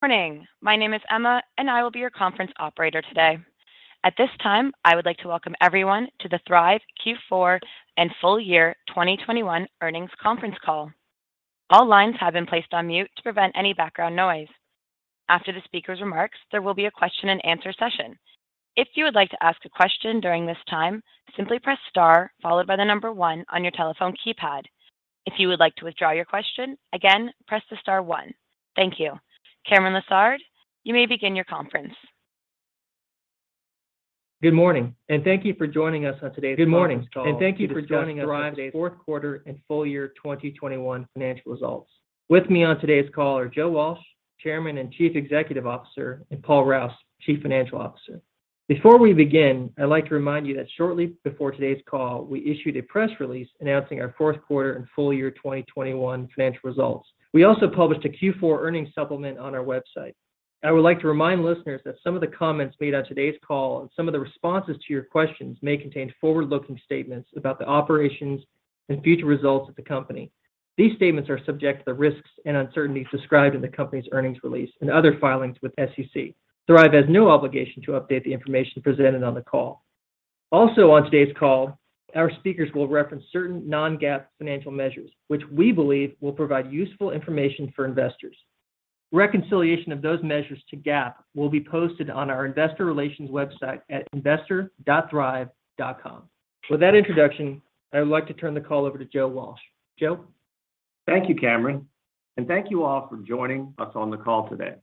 Morning. My name is Emma, and I will be your conference operator today. At this time, I would like to welcome everyone to the Thryv Q4 and full year 2021 earnings conference call. All lines have been placed on mute to prevent any background noise. After the speaker's remarks, there will be a question and answer session. If you would like to ask a question during this time, simply press star followed by the number one on your telephone keypad. If you would like to withdraw your question, again, press the star one. Thank you. Cameron Lessard, you may begin your conference. Good morning, and thank you for joining us on today's conference call to discuss Thryv's fourth quarter and full year 2021 financial results. With me on today's call are Joe Walsh, Chairman and Chief Executive Officer, and Paul Rouse, Chief Financial Officer. Before we begin, I'd like to remind you that shortly before today's call, we issued a press release announcing our fourth quarter and full year 2021 financial results. We also published a Q4 earnings supplement on our website. I would like to remind listeners that some of the comments made on today's call and some of the responses to your questions may contain forward-looking statements about the operations and future results of the company. These statements are subject to the risks and uncertainties described in the company's earnings release and other filings with the SEC. Thryv has no obligation to update the information presented on the call. Also on today's call, our speakers will reference certain non-GAAP financial measures, which we believe will provide useful information for investors. Reconciliation of those measures to GAAP will be posted on our investor relations website at investor.thryv.com. With that introduction, I would like to turn the call over to Joe Walsh. Joe. Thank you, Cameron, and thank you all for joining us on the call today.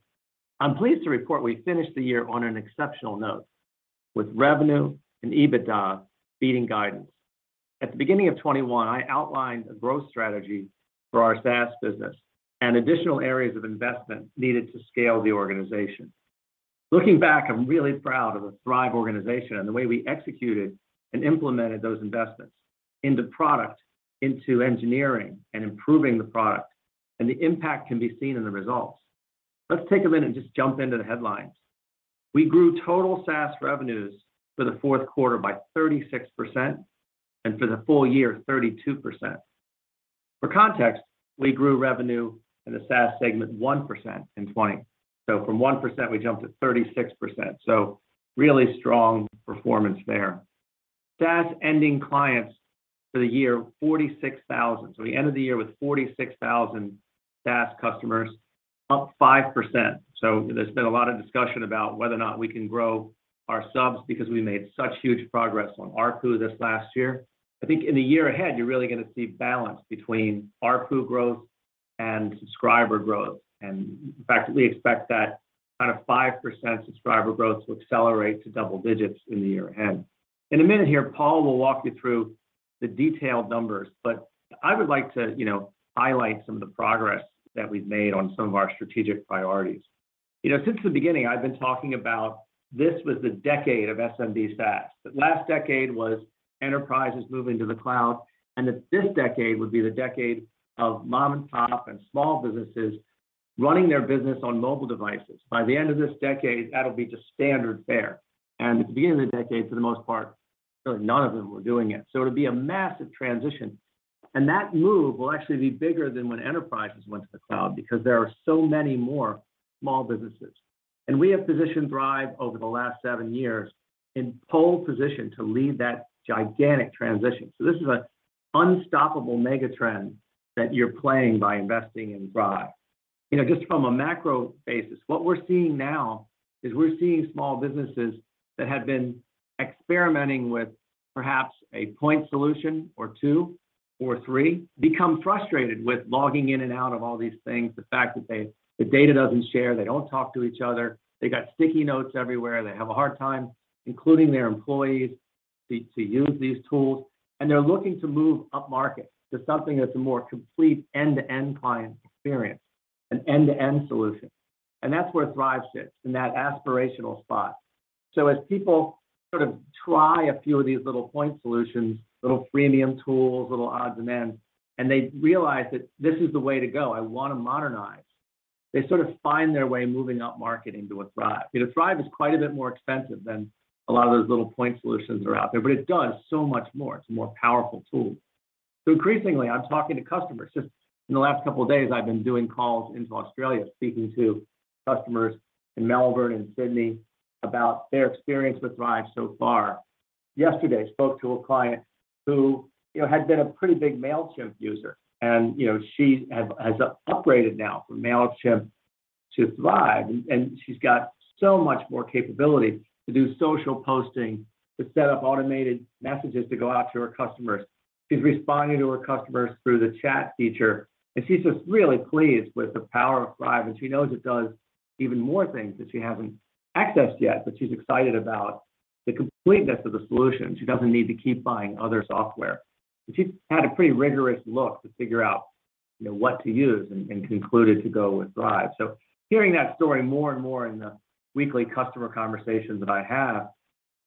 I'm pleased to report we finished the year on an exceptional note, with revenue and EBITDA beating guidance. At the beginning of 2021, I outlined a growth strategy for our SaaS business and additional areas of investment needed to scale the organization. Looking back, I'm really proud of the Thryv organization and the way we executed and implemented those investments into product, into engineering, and improving the product, and the impact can be seen in the results. Let's take a minute and just jump into the headlines. We grew total SaaS revenues for the fourth quarter by 36%, and for the full year, 32%. For context, we grew revenue in the SaaS segment 1% in 2020. From 1%, we jumped to 36%. Really strong performance there. SaaS ending clients for the year, 46,000. We ended the year with 46,000 SaaS customers, up 5%. There's been a lot of discussion about whether or not we can grow our subs because we made such huge progress on ARPU this last year. I think in the year ahead, you're really gonna see balance between ARPU growth and subscriber growth. In fact, we expect that kind of 5% subscriber growth to accelerate to double digits in the year ahead. In a minute here, Paul will walk you through the detailed numbers, but I would like to, you know, highlight some of the progress that we've made on some of our strategic priorities. You know, since the beginning, I've been talking about this was the decade of SMB SaaS. The last decade was enterprises moving to the cloud, and that this decade would be the decade of mom and pop and small businesses running their business on mobile devices. By the end of this decade, that'll be just standard fare. At the beginning of the decade, for the most part, really none of them were doing it. It'll be a massive transition. That move will actually be bigger than when enterprises went to the cloud, because there are so many more small businesses. We have positioned Thryv over the last seven years in pole position to lead that gigantic transition. This is an unstoppable mega trend that you're playing by investing in Thryv. You know, just from a macro basis, what we're seeing now is we're seeing small businesses that have been experimenting with perhaps a point solution or two or three become frustrated with logging in and out of all these things. The fact that they, the data doesn't share, they don't talk to each other. They got sticky notes everywhere. They have a hard time including their employees to use these tools, and they're looking to move up market to something that's a more complete end-to-end client experience, an end-to-end solution. That's where Thryv sits, in that aspirational spot. As people sort of try a few of these little point solutions, little freemium tools, little odds and ends, and they realize that this is the way to go, I want to modernize. They sort of find their way moving up market into a Thryv. You know, Thryv is quite a bit more expensive than a lot of those little point solutions that are out there, but it does so much more. It's a more powerful tool. Increasingly, I'm talking to customers. Just in the last couple of days, I've been doing calls into Australia, speaking to customers in Melbourne and Sydney about their experience with Thryv so far. Yesterday, I spoke to a client who, you know, had been a pretty big Mailchimp user. You know, she has upgraded now from Mailchimp to Thryv, and she's got so much more capability to do social posting, to set up automated messages to go out to her customers. She's responding to her customers through the chat feature. She's just really pleased with the power of Thryv, and she knows it does even more things that she hasn't accessed yet, but she's excited about the completeness of the solution. She doesn't need to keep buying other software. She's had a pretty rigorous look to figure out, you know, what to use and concluded to go with Thryv. Hearing that story more and more in the weekly customer conversations that I have,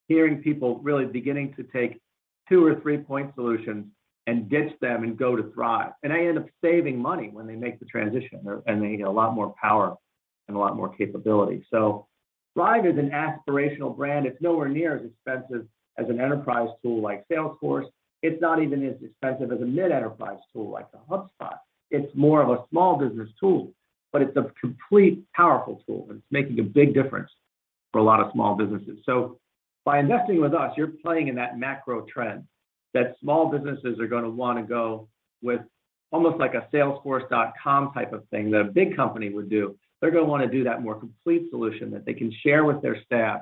hearing people really beginning to take two or three-point solutions and ditch them and go to Thryv. They end up saving money when they make the transition, and they get a lot more power and a lot more capability. Thryv is an aspirational brand. It's nowhere near as expensive as an enterprise tool like Salesforce. It's not even as expensive as a mid-enterprise tool like a HubSpot. It's more of a small business tool, but it's a complete powerful tool, and it's making a big difference for a lot of small businesses. By investing with us, you're playing in that macro trend that small businesses are going to want to go with almost like a salesforce.com type of thing that a big company would do. They're going to want to do that more complete solution that they can share with their staff,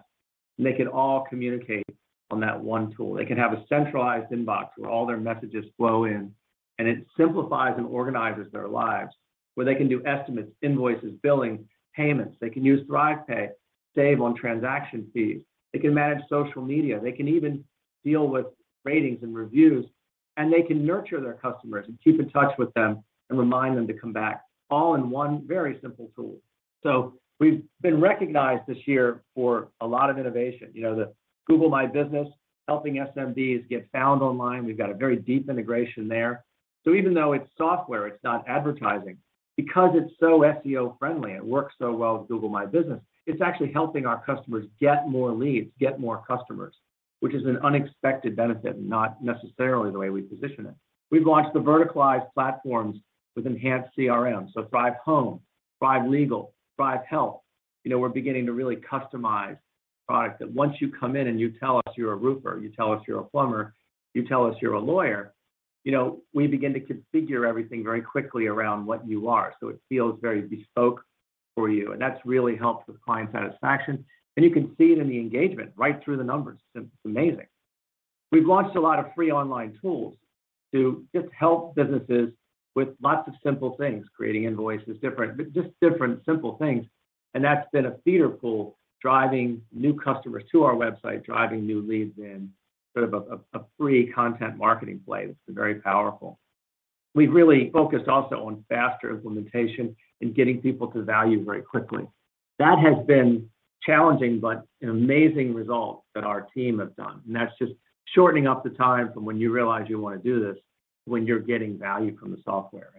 and they can all communicate on that one tool. They can have a centralized inbox where all their messages flow in, and it simplifies and organizes their lives, where they can do estimates, invoices, billing, payments. They can use ThryvPay, save on transaction fees. They can manage social media. They can even deal with ratings and reviews, and they can nurture their customers and keep in touch with them and remind them to come back, all in one very simple tool. We've been recognized this year for a lot of innovation. You know, the Google My Business, helping SMBs get found online. We've got a very deep integration there. Even though it's software, it's not advertising, because it's so SEO friendly, it works so well with Google My Business, it's actually helping our customers get more leads, get more customers, which is an unexpected benefit and not necessarily the way we position it. We've launched the verticalized platforms with enhanced CRM. Thryv Home, Thryv Legal, Thryv Health. You know, we're beginning to really customize the product that once you come in and you tell us you're a roofer, you tell us you're a plumber, you tell us you're a lawyer, you know, we begin to configure everything very quickly around what you are. It feels very bespoke for you. That's really helped with client satisfaction. You can see it in the engagement right through the numbers. It's amazing. We've launched a lot of free online tools to just help businesses with lots of simple things, creating invoices, different, just different simple things. That's been a feeder pool, driving new customers to our website, driving new leads in sort of a free content marketing play that's been very powerful. We've really focused also on faster implementation and getting people to value very quickly. That has been challenging, but an amazing result that our team have done. That's just shortening up the time from when you realize you want to do this, when you're getting value from the software.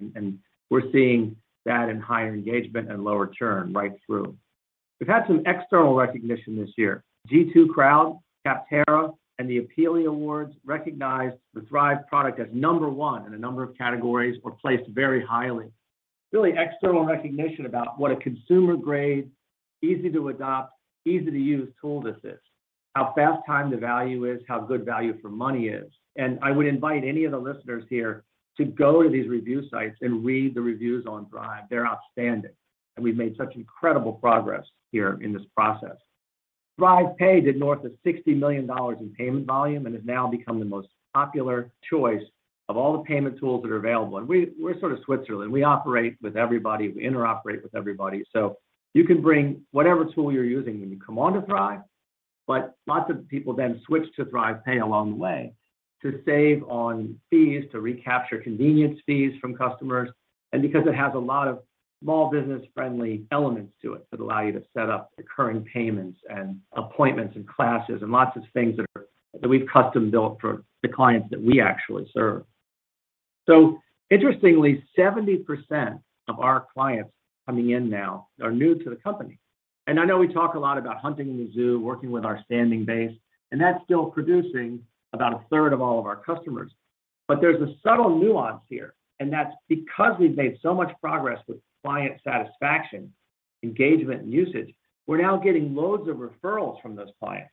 We're seeing that in higher engagement and lower churn right through. We've had some external recognition this year. G2 Crowd, Capterra, and the APPEALIE Awards recognized the Thryv product as number one in a number of categories or placed very highly. Really external recognition about what a consumer grade, easy to adopt, easy to use tool this is. How fast time to value is, how good value for money is. I would invite any of the listeners here to go to these review sites and read the reviews on Thryv. They're outstanding. We've made such incredible progress here in this process. ThryvPay did north of $60 million in payment volume and has now become the most popular choice of all the payment tools that are available. We're sort of Switzerland. We operate with everybody. We interoperate with everybody. You can bring whatever tool you're using when you come on to Thryv. Lots of people then switch to ThryvPay along the way to save on fees, to recapture convenience fees from customers. Because it has a lot of small business friendly elements to it that allow you to set up recurring payments and appointments and classes and lots of things that we've custom built for the clients that we actually serve. Interestingly, 70% of our clients coming in now are new to the company. I know we talk a lot about hunting in the zoo, working with our standing base, and that's still producing about 1/3 of all of our customers. There's a subtle nuance here. That's because we've made so much progress with client satisfaction, engagement and usage, we're now getting loads of referrals from those clients.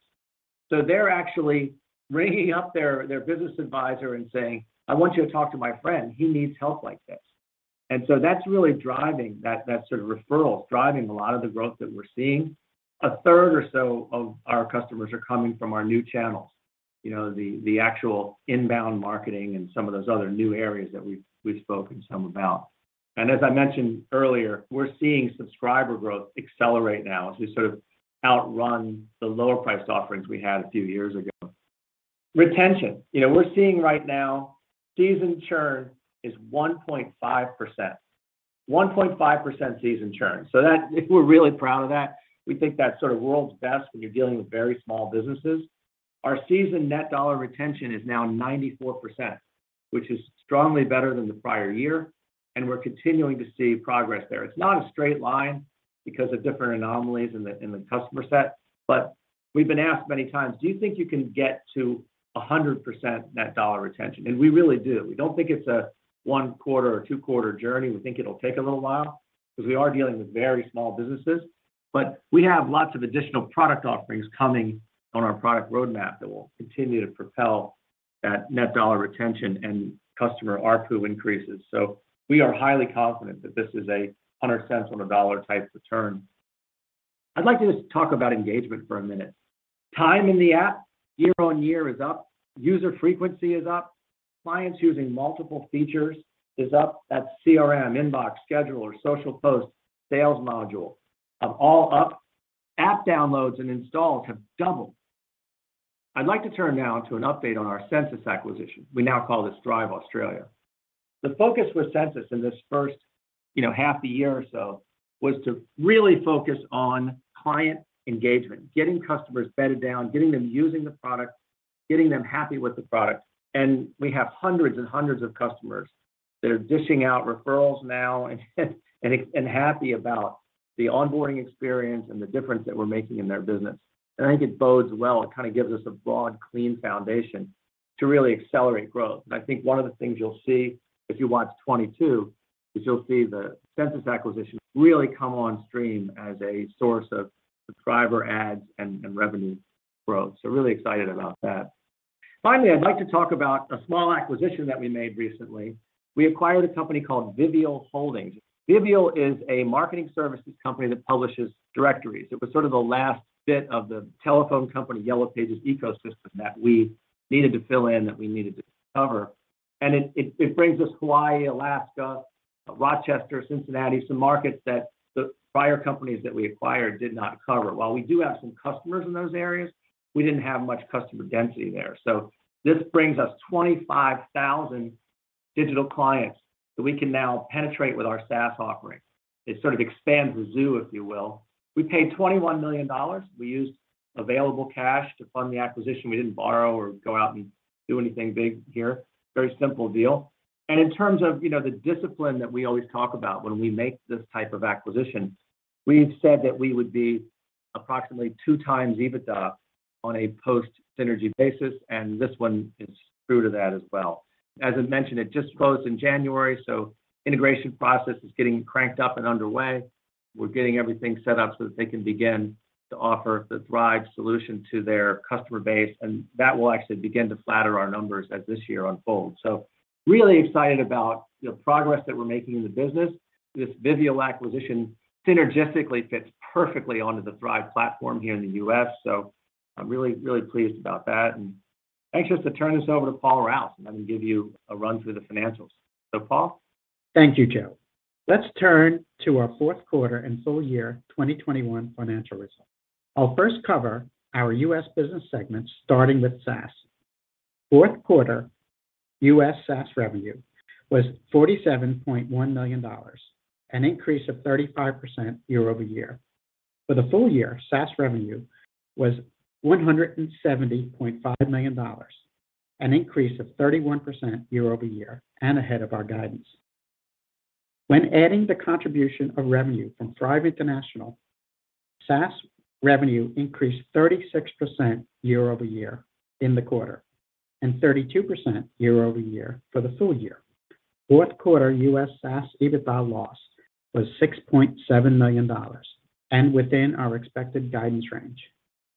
They're actually ringing up their business advisor and saying, I want you to talk to my friend. He needs help like this. That's really driving that sort of referral, driving a lot of the growth that we're seeing. One third or so of our customers are coming from our new channels, the actual inbound marketing and some of those other new areas that we've spoken some about. As I mentioned earlier, we're seeing subscriber growth accelerate now as we sort of outrun the lower priced offerings we had a few years ago. Retention. We're seeing right now seasonal churn is 1.5%. 1.5% seasonal churn. If we're really proud of that, we think that's sort of world's best when you're dealing with very small businesses. Our seasonal net dollar retention is now 94%, which is strongly better than the prior year. We're continuing to see progress there. It's not a straight line because of different anomalies in the customer set. We've been asked many times, do you think you can get to 100% net dollar retention? We really do. We don't think it's a one quarter or two quarter journey. We think it'll take a little while because we are dealing with very small businesses. We have lots of additional product offerings coming on our product roadmap that will continue to propel that net dollar retention and customer ARPU increases. We are highly confident that this is 100 cents on a dollar type return. I'd like to just talk about engagement for a minute. Time in the app year-over-year is up. User frequency is up. Clients using multiple features is up. That's CRM, inbox, scheduler, social posts, sales module are all up. App downloads and installs have doubled. I'd like to turn now to an update on our Sensis acquisition. We now call this Thryv Australia. The focus with Sensis in this first half a year or so was to really focus on client engagement, getting customers bedded down, getting them using the product, getting them happy with the product. We have hundreds and hundreds of customers. They're dishing out referrals now and happy about the onboarding experience and the difference that we're making in their business. I think it bodes well. It kinda gives us a broad, clean foundation to really accelerate growth. I think one of the things you'll see if you watch 2022 is you'll see the Sensis acquisition really come on stream as a source of subscriber adds and revenue growth. Really excited about that. Finally, I'd like to talk about a small acquisition that we made recently. We acquired a company called Vivial Media Holdings. Vivial is a marketing services company that publishes directories. It was sort of the last bit of the telephone company Yellow Pages ecosystem that we needed to fill in, that we needed to cover. It brings us Hawaii, Alaska, Rochester, Cincinnati, some markets that the prior companies that we acquired did not cover. While we do have some customers in those areas, we didn't have much customer density there. This brings us 25,000 digital clients that we can now penetrate with our SaaS offering. It sort of expands the zoo, if you will. We paid $21 million. We used available cash to fund the acquisition. We didn't borrow or go out and do anything big here. Very simple deal. In terms of, you know, the discipline that we always talk about when we make this type of acquisition, we've said that we would be approximately 2x EBITDA on a post-synergy basis, and this one is true to that as well. As I mentioned, it just closed in January, so integration process is getting cranked up and underway. We're getting everything set up so that they can begin to offer the Thryv solution to their customer base, and that will actually begin to flatter our numbers as this year unfolds. Really excited about the progress that we're making in the business. This Vivial acquisition synergistically fits perfectly onto the Thryv platform here in the U.S., so I'm really, really pleased about that. Anxious to turn this over to Paul Rouse and have him give you a run through the financials. Paul? Thank you, Joe. Let's turn to our fourth quarter and full year 2021 financial results. I'll first cover our U.S. business segments, starting with SaaS. Fourth quarter U.S. SaaS revenue was $47.1 million, an increase of 35% year-over-year. For the full year, SaaS revenue was $170.5 million, an increase of 31% year-over-year and ahead of our guidance. When adding the contribution of revenue from Thryv International, SaaS revenue increased 36% year-over-year in the quarter and 32% year-over-year for the full year. Fourth quarter U.S. SaaS EBITDA loss was $6.7 million, and within our expected guidance range.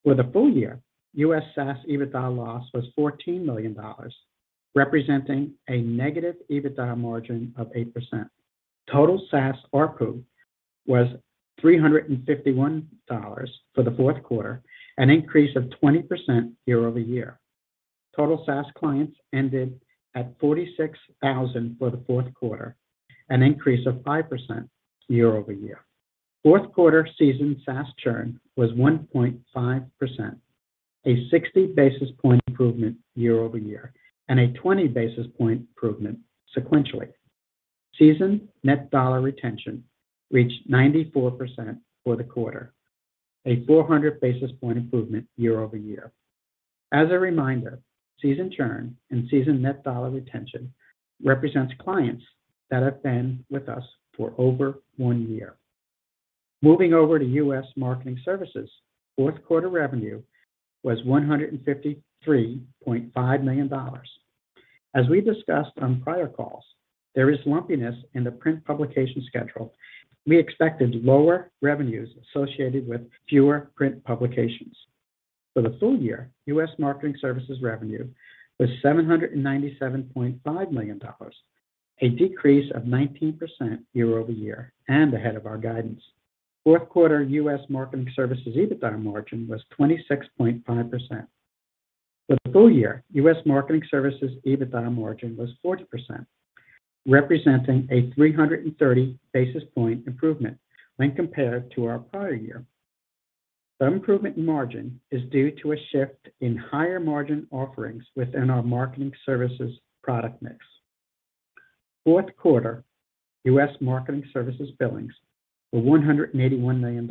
For the full year, U.S. SaaS EBITDA loss was $14 million, representing a negative EBITDA margin of 8%. Total SaaS ARPU was $351 for the fourth quarter, an increase of 20% year-over-year. Total SaaS clients ended at 46,000 for the fourth quarter, an increase of 5% year-over-year. Fourth quarter seasoned SaaS churn was 1.5%, a 60 basis point improvement year-over-year and a 20 basis point improvement sequentially. Seasoned net dollar retention reached 94% for the quarter, a 400 basis point improvement year-over-year. As a reminder, seasoned churn and seasoned net dollar retention represents clients that have been with us for over one year. Moving over to U.S. Marketing Services, fourth quarter revenue was $153.5 million. As we discussed on prior calls, there is lumpiness in the print publication schedule. We expected lower revenues associated with fewer print publications. For the full year, U.S. Marketing Services revenue was $797.5 million, a decrease of 19% year-over-year and ahead of our guidance. Fourth quarter U.S. Marketing Services EBITDA margin was 26.5%. For the full year, U.S. Marketing Services EBITDA margin was 40%, representing a 330 basis point improvement when compared to our prior year. The improvement in margin is due to a shift in higher-margin offerings within our Marketing Services product mix. Fourth quarter U.S. Marketing Services billings were $181 million,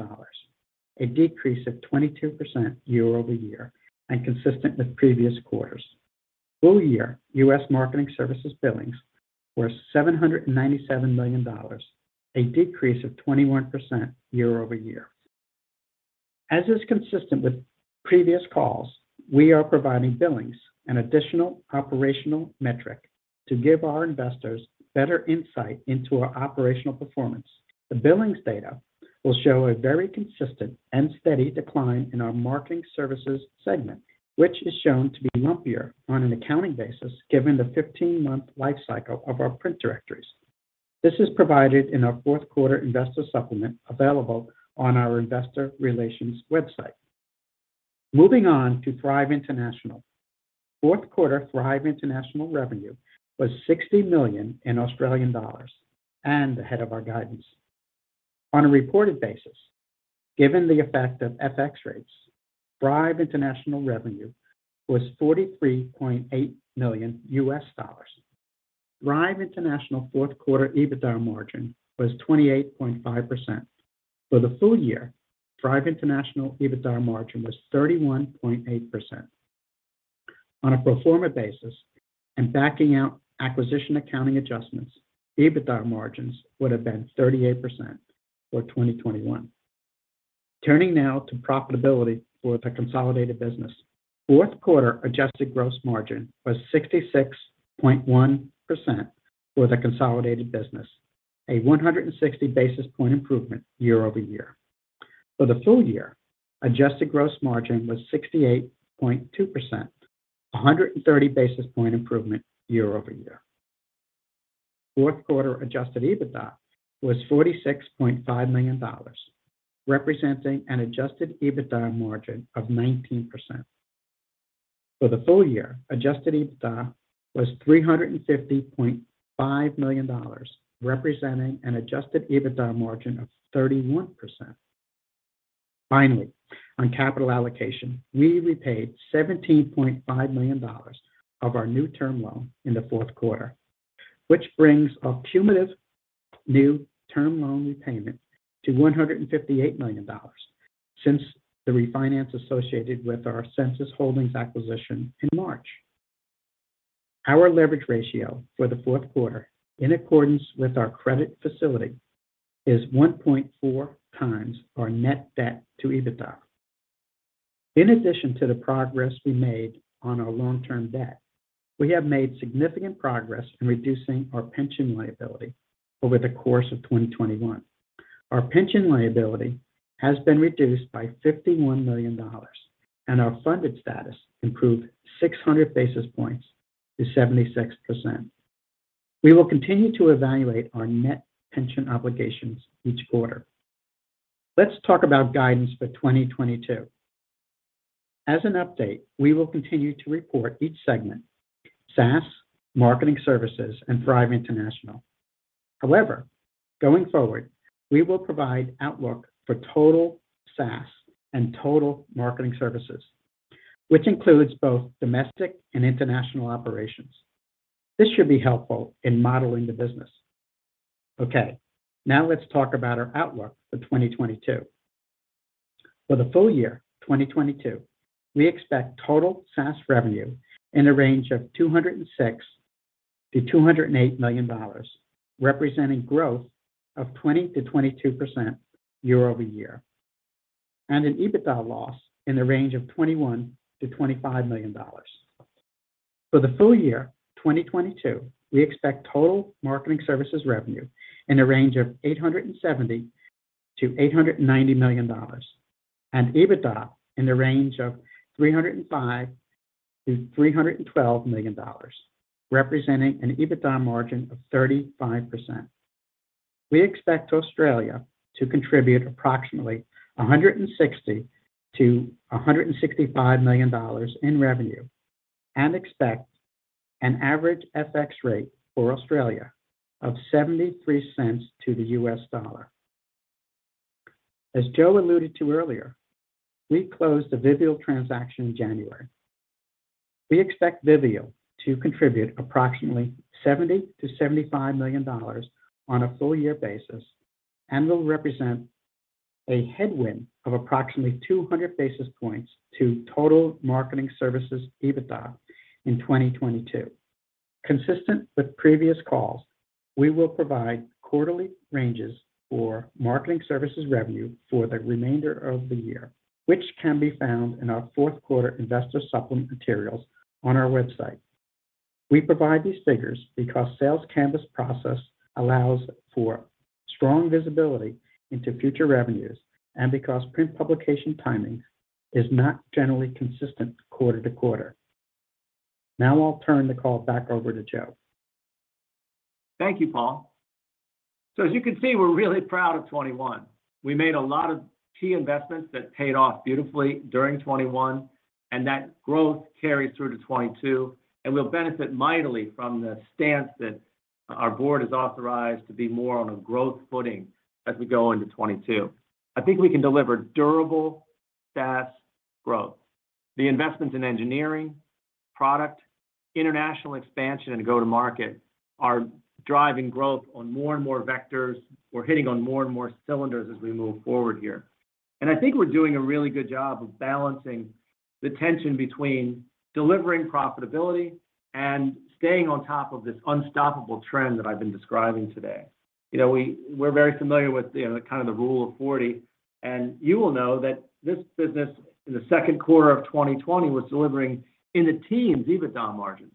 a decrease of 22% year-over-year and consistent with previous quarters. Full year U.S. Marketing Services billings were $797 million, a decrease of 21% year-over-year. As is consistent with previous calls, we are providing billings, an additional operational metric, to give our investors better insight into our operational performance. The billings data will show a very consistent and steady decline in our Marketing Services segment, which is shown to be lumpier on an accounting basis given the 15-month life cycle of our print directories. This is provided in our fourth quarter investor supplement available on our investor relations website. Moving on to Thryv International. Fourth quarter Thryv International revenue was 60 million and ahead of our guidance. On a reported basis, given the effect of FX rates, Thryv International revenue was $43.8 million. Thryv International fourth quarter EBITDA margin was 28.5%. For the full year, Thryv International EBITDA margin was 31.8%. On a pro forma basis and backing out acquisition accounting adjustments, EBITDA margins would have been 38% for 2021. Turning now to profitability for the consolidated business. Fourth quarter adjusted gross margin was 66.1% for the consolidated business, a 160 basis point improvement year over year. For the full year, adjusted gross margin was 68.2%, a 130 basis point improvement year over year. Fourth quarter adjusted EBITDA was $46.5 million, representing an adjusted EBITDA margin of 19%. For the full year, adjusted EBITDA was $350.5 million, representing an adjusted EBITDA margin of 31%. Finally, on capital allocation, we repaid $17.5 million of our new term loan in the fourth quarter, which brings our cumulative new term loan repayment to $158 million since the refinance associated with our Sensis Holdings acquisition in March. Our leverage ratio for the fourth quarter, in accordance with our credit facility, is 1.4x our net debt to EBITDA. In addition to the progress we made on our long-term debt, we have made significant progress in reducing our pension liability over the course of 2021. Our pension liability has been reduced by $51 million, and our funded status improved 600 basis points to 76%. We will continue to evaluate our net pension obligations each quarter. Let's talk about guidance for 2022. As an update, we will continue to report each segment, SaaS, Marketing Services, and Thryv International. However, going forward, we will provide outlook for total SaaS and total Marketing Services, which includes both domestic and international operations. This should be helpful in modeling the business. Okay. Now let's talk about our outlook for 2022. For the full year 2022, we expect total SaaS revenue in the range of $206 million-$208 million, representing growth of 20%-22% year-over-year, and an EBITDA loss in the range of $21 million-$25 million. For the full year 2022, we expect total Marketing Services revenue in the range of $870 million-$890 million, and EBITDA in the range of $305 million-$312 million, representing an EBITDA margin of 35%. We expect Australia to contribute approximately $160 million-$165 million in revenue and expect an average FX rate for Australia of $0.73 to the U.S. dollar. As Joe alluded to earlier, we closed the Vivial transaction in January. We expect Vivial to contribute approximately $70 million-$75 million on a full year basis and will represent a headwind of approximately 200 basis points to total Marketing Services EBITDA in 2022. Consistent with previous calls, we will provide quarterly ranges for Marketing Services revenue for the remainder of the year, which can be found in our fourth quarter investor supplement materials on our website. We provide these figures because sales canvass process allows for strong visibility into future revenues and because print publication timing is not generally consistent quarter to quarter. Now I'll turn the call back over to Joe. Thank you, Paul. As you can see, we're really proud of 2021. We made a lot of key investments that paid off beautifully during 2021, and that growth carries through to 2022. We'll benefit mightily from the stance that our board has authorized to be more on a growth footing as we go into 2022. I think we can deliver durable SaaS growth. The investments in engineering, product, international expansion, and go to market are driving growth on more and more vectors. We're hitting on more and more cylinders as we move forward here. I think we're doing a really good job of balancing the tension between delivering profitability and staying on top of this unstoppable trend that I've been describing today. You know, we're very familiar with, you know, the kind of the Rule of 40, and you will know that this business in the second quarter of 2020 was delivering in the teens EBITDA margins.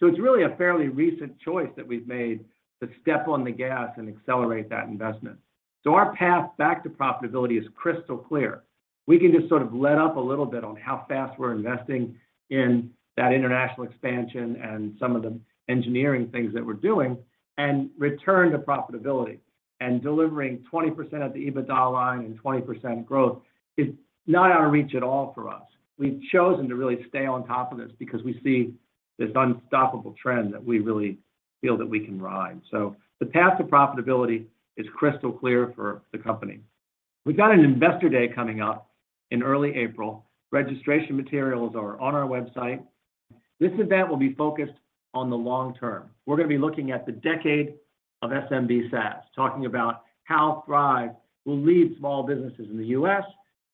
It's really a fairly recent choice that we've made to step on the gas and accelerate that investment. Our path back to profitability is crystal clear. We can just sort of let up a little bit on how fast we're investing in that international expansion and some of the engineering things that we're doing and return to profitability. Delivering 20% at the EBITDA line and 20% growth is not out of reach at all for us. We've chosen to really stay on top of this because we see this unstoppable trend that we really feel that we can ride. The path to profitability is crystal clear for the company. We've got an investor day coming up in early April. Registration materials are on our website. This event will be focused on the long term. We're gonna be looking at the decade of SMB SaaS, talking about how Thryv will lead small businesses in the U.S.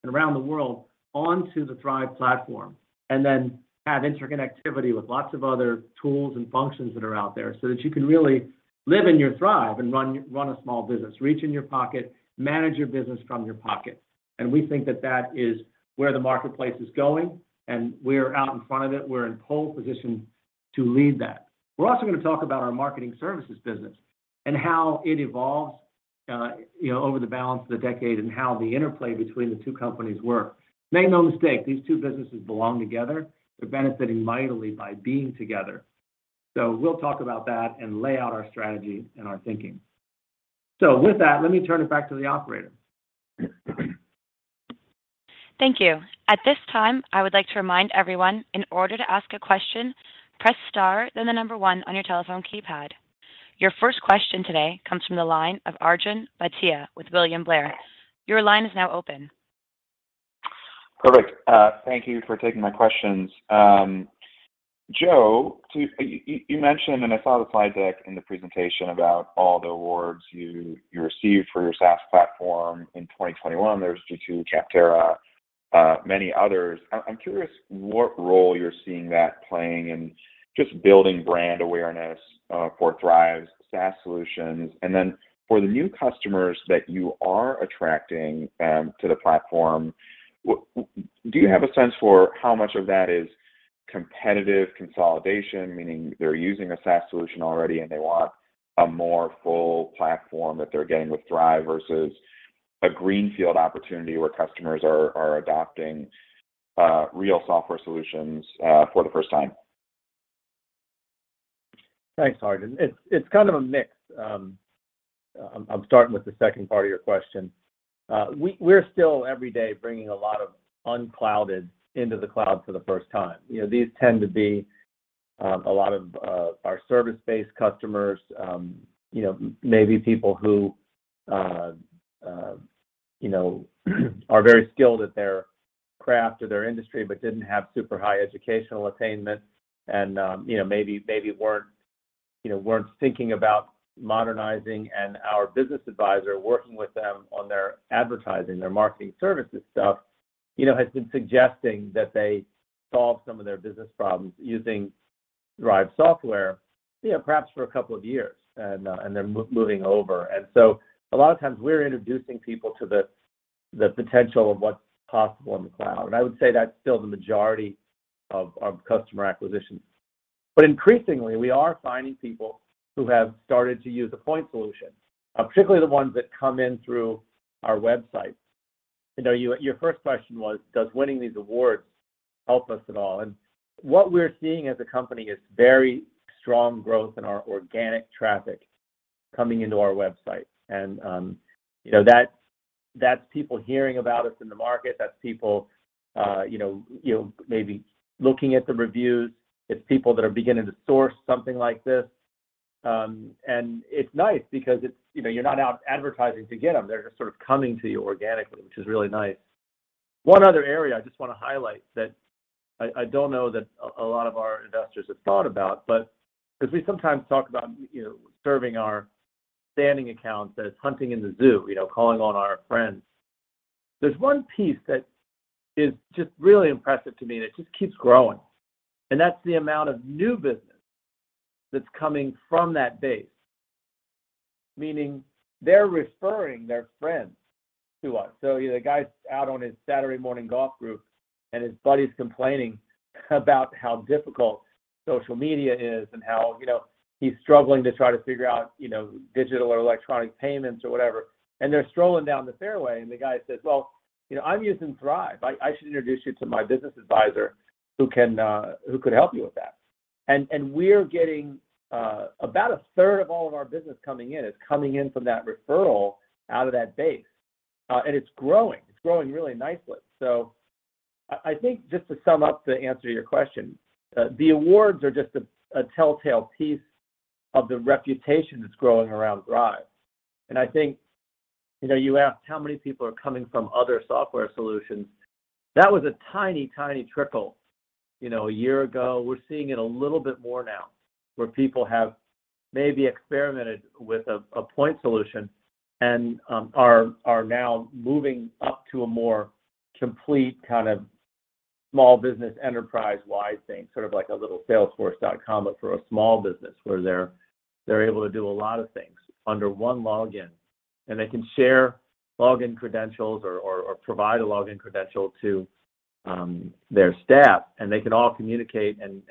and around the world onto the Thryv platform, and then have interconnectivity with lots of other tools and functions that are out there so that you can really live in your Thryv and run a small business, reach in your pocket, manage your business from your pocket. We think that that is where the marketplace is going, and we're out in front of it. We're in pole position to lead that. We're also gonna talk about our Marketing Services business and how it evolves over the balance of the decade and how the interplay between the two companies work. Make no mistake, these two businesses belong together. They're benefiting mightily by being together. We'll talk about that and lay out our strategy and our thinking. With that, let me turn it back to the operator. Thank you. At this time, I would like to remind everyone, in order to ask a question, press star, then the number one on your telephone keypad. Your first question today comes from the line of Arjun Bhatia with William Blair. Your line is now open. Perfect. Thank you for taking my questions. Joe, so you mentioned, and I saw the slide deck in the presentation about all the awards you received for your SaaS platform in 2021. There's G2, Capterra, many others. I'm curious what role you're seeing that playing in just building brand awareness for Thryv's SaaS solutions. For the new customers that you are attracting to the platform, do you have a sense for how much of that is competitive consolidation, meaning they're using a SaaS solution already, and they want a more full platform that they're getting with Thryv versus a greenfield opportunity where customers are adopting real software solutions for the first time? Thanks, Arjun. It's kind of a mix. I'm starting with the second part of your question. We're still every day bringing a lot of unclouded into the cloud for the first time. You know, these tend to be a lot of our service-based customers, you know, maybe people who, you know, are very skilled at their craft or their industry, but didn't have super high educational attainment and, you know, maybe weren't thinking about modernizing and our business advisor working with them on their advertising, their Marketing Services stuff, you know, has been suggesting that they solve some of their business problems using Thryv software, you know, perhaps for a couple of years and they're moving over. A lot of times we're introducing people to the potential of what's possible in the cloud. I would say that's still the majority of customer acquisitions. Increasingly, we are finding people who have started to use a point solution, particularly the ones that come in through our website. You know, your first question was, does winning these awards help us at all? What we're seeing as a company is very strong growth in our organic traffic coming into our website. You know, that's people hearing about us in the market. That's people, you know, maybe looking at the reviews. It's people that are beginning to source something like this. It's nice because, you know, you're not out advertising to get them. They're just sort of coming to you organically, which is really nice. One other area I just wanna highlight that I don't know that a lot of our investors have thought about, but because we sometimes talk about, you know, serving our standing accounts as hunting in the zoo, you know, calling on our friends. There's one piece that is just really impressive to me, and it just keeps growing, and that's the amount of new business that's coming from that base, meaning they're referring their friends to us. You know, a guy's out on his Saturday morning golf group, and his buddy's complaining about how difficult social media is and how, you know, he's struggling to try to figure out, you know, digital or electronic payments or whatever. And they're strolling down the fairway, and the guy says, "Well, you know, I'm using Thryv. I should introduce you to my business advisor who could help you with that." We're getting about a third of all of our business coming in from that referral out of that base, and it's growing. It's growing really nicely. I think just to sum up the answer to your question, the awards are just a telltale piece of the reputation that's growing around Thryv. I think, you know, you asked how many people are coming from other software solutions. That was a tiny trickle, you know, a year ago. We're seeing it a little bit more now, where people have maybe experimented with a point solution and are now moving up to a more complete kind of small business enterprise-wide thing, sort of like a little Salesforce.com but for a small business, where they're able to do a lot of things under one login, and they can share login credentials or provide a login credential to their staff, and they can all communicate and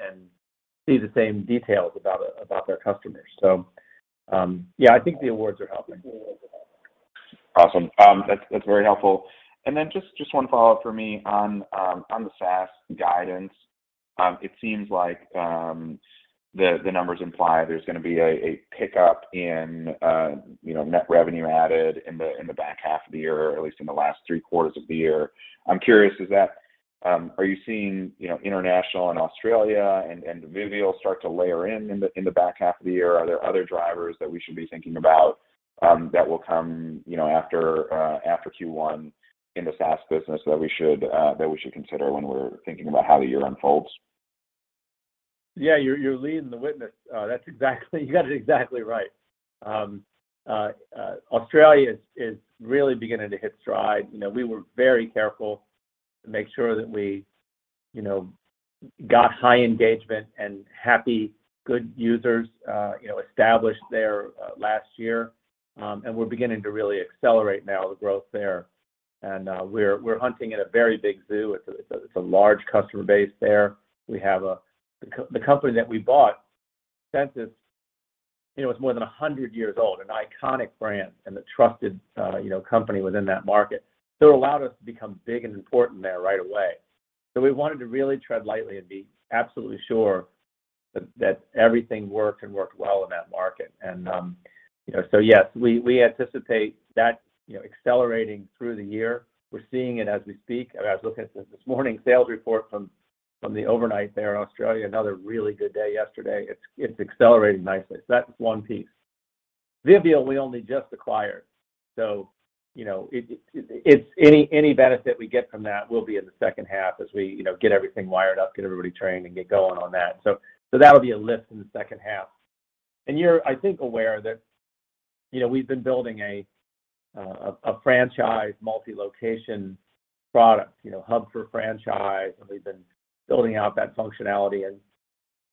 see the same details about their customers. Yeah, I think the awards are helping. Awesome. That's very helpful. Just one follow-up for me on the SaaS guidance. It seems like the numbers imply there's gonna be a pickup in you know, net revenue added in the back half of the year, or at least in the last three quarters of the year. I'm curious, are you seeing you know, international and Australia and Vivial start to layer in in the back half of the year? Are there other drivers that we should be thinking about that will come you know, after Q1 in the SaaS business that we should consider when we're thinking about how the year unfolds. Yeah, you're leading the witness. That's exactly. You got it exactly right. Australia is really beginning to hit stride. You know, we were very careful to make sure that we, you know, got high engagement and happy good users, you know, established there last year. We're beginning to really accelerate now the growth there. We're hunting in a very big zoo. It's a large customer base there. The company that we bought, Sensis, you know, is more than 100 years old, an iconic brand and a trusted, you know, company within that market. It allowed us to become big and important there right away. We wanted to really tread lightly and be absolutely sure that everything worked and worked well in that market. Yes, we anticipate that, you know, accelerating through the year. We're seeing it as we speak. I was looking at the sales report this morning from the overnight there in Australia, another really good day yesterday. It's accelerating nicely. So that's one piece. Vivial, we only just acquired, so you know, it's any benefit we get from that will be in the second half as we, you know, get everything wired up, get everybody trained, and get going on that. So that'll be a lift in the second half. You're, I think, aware that, you know, we've been building a franchise multi-location product, you know, hub for franchise, and we've been building out that functionality.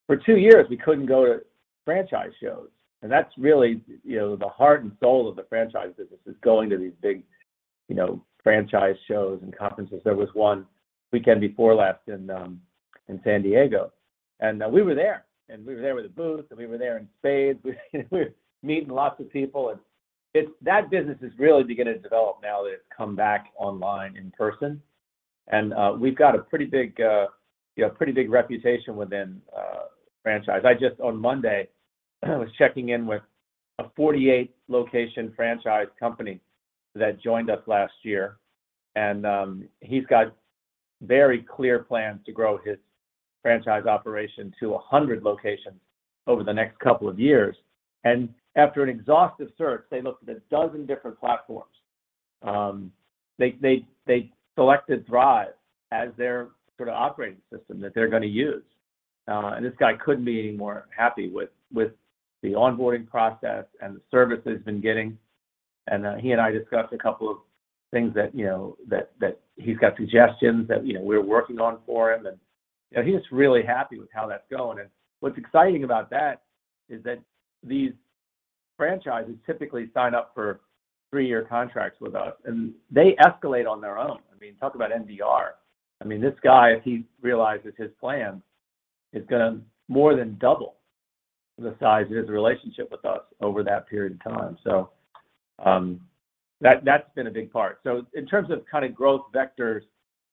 For two years we couldn't go to franchise shows. That's really, you know, the heart and soul of the franchise business is going to these big, you know, franchise shows and conferences. There was one weekend before last in San Diego, and we were there. We were there with a booth, and we were there in spades. We were meeting lots of people, and that business is really beginning to develop now that it's come back online in person. We've got a pretty big, you know, pretty big reputation within franchise. I just on Monday was checking in with a 48-location franchise company that joined us last year, and he's got very clear plans to grow his franchise operation to 100 locations over the next couple of years. After an exhaustive search, they looked at a dozen different platforms, they selected Thryv as their sort of operating system that they're gonna use. This guy couldn't be any more happy with the onboarding process and the service that he's been getting. He and I discussed a couple of things that, you know, that he's got suggestions that, you know, we're working on for him. You know, he's just really happy with how that's going. What's exciting about that is that these franchises typically sign up for three-year contracts with us, and they escalate on their own. I mean, talk about NDR. I mean, this guy, if he realizes his plan, is gonna more than double the size of his relationship with us over that period of time. That's been a big part. In terms of kind of growth vectors,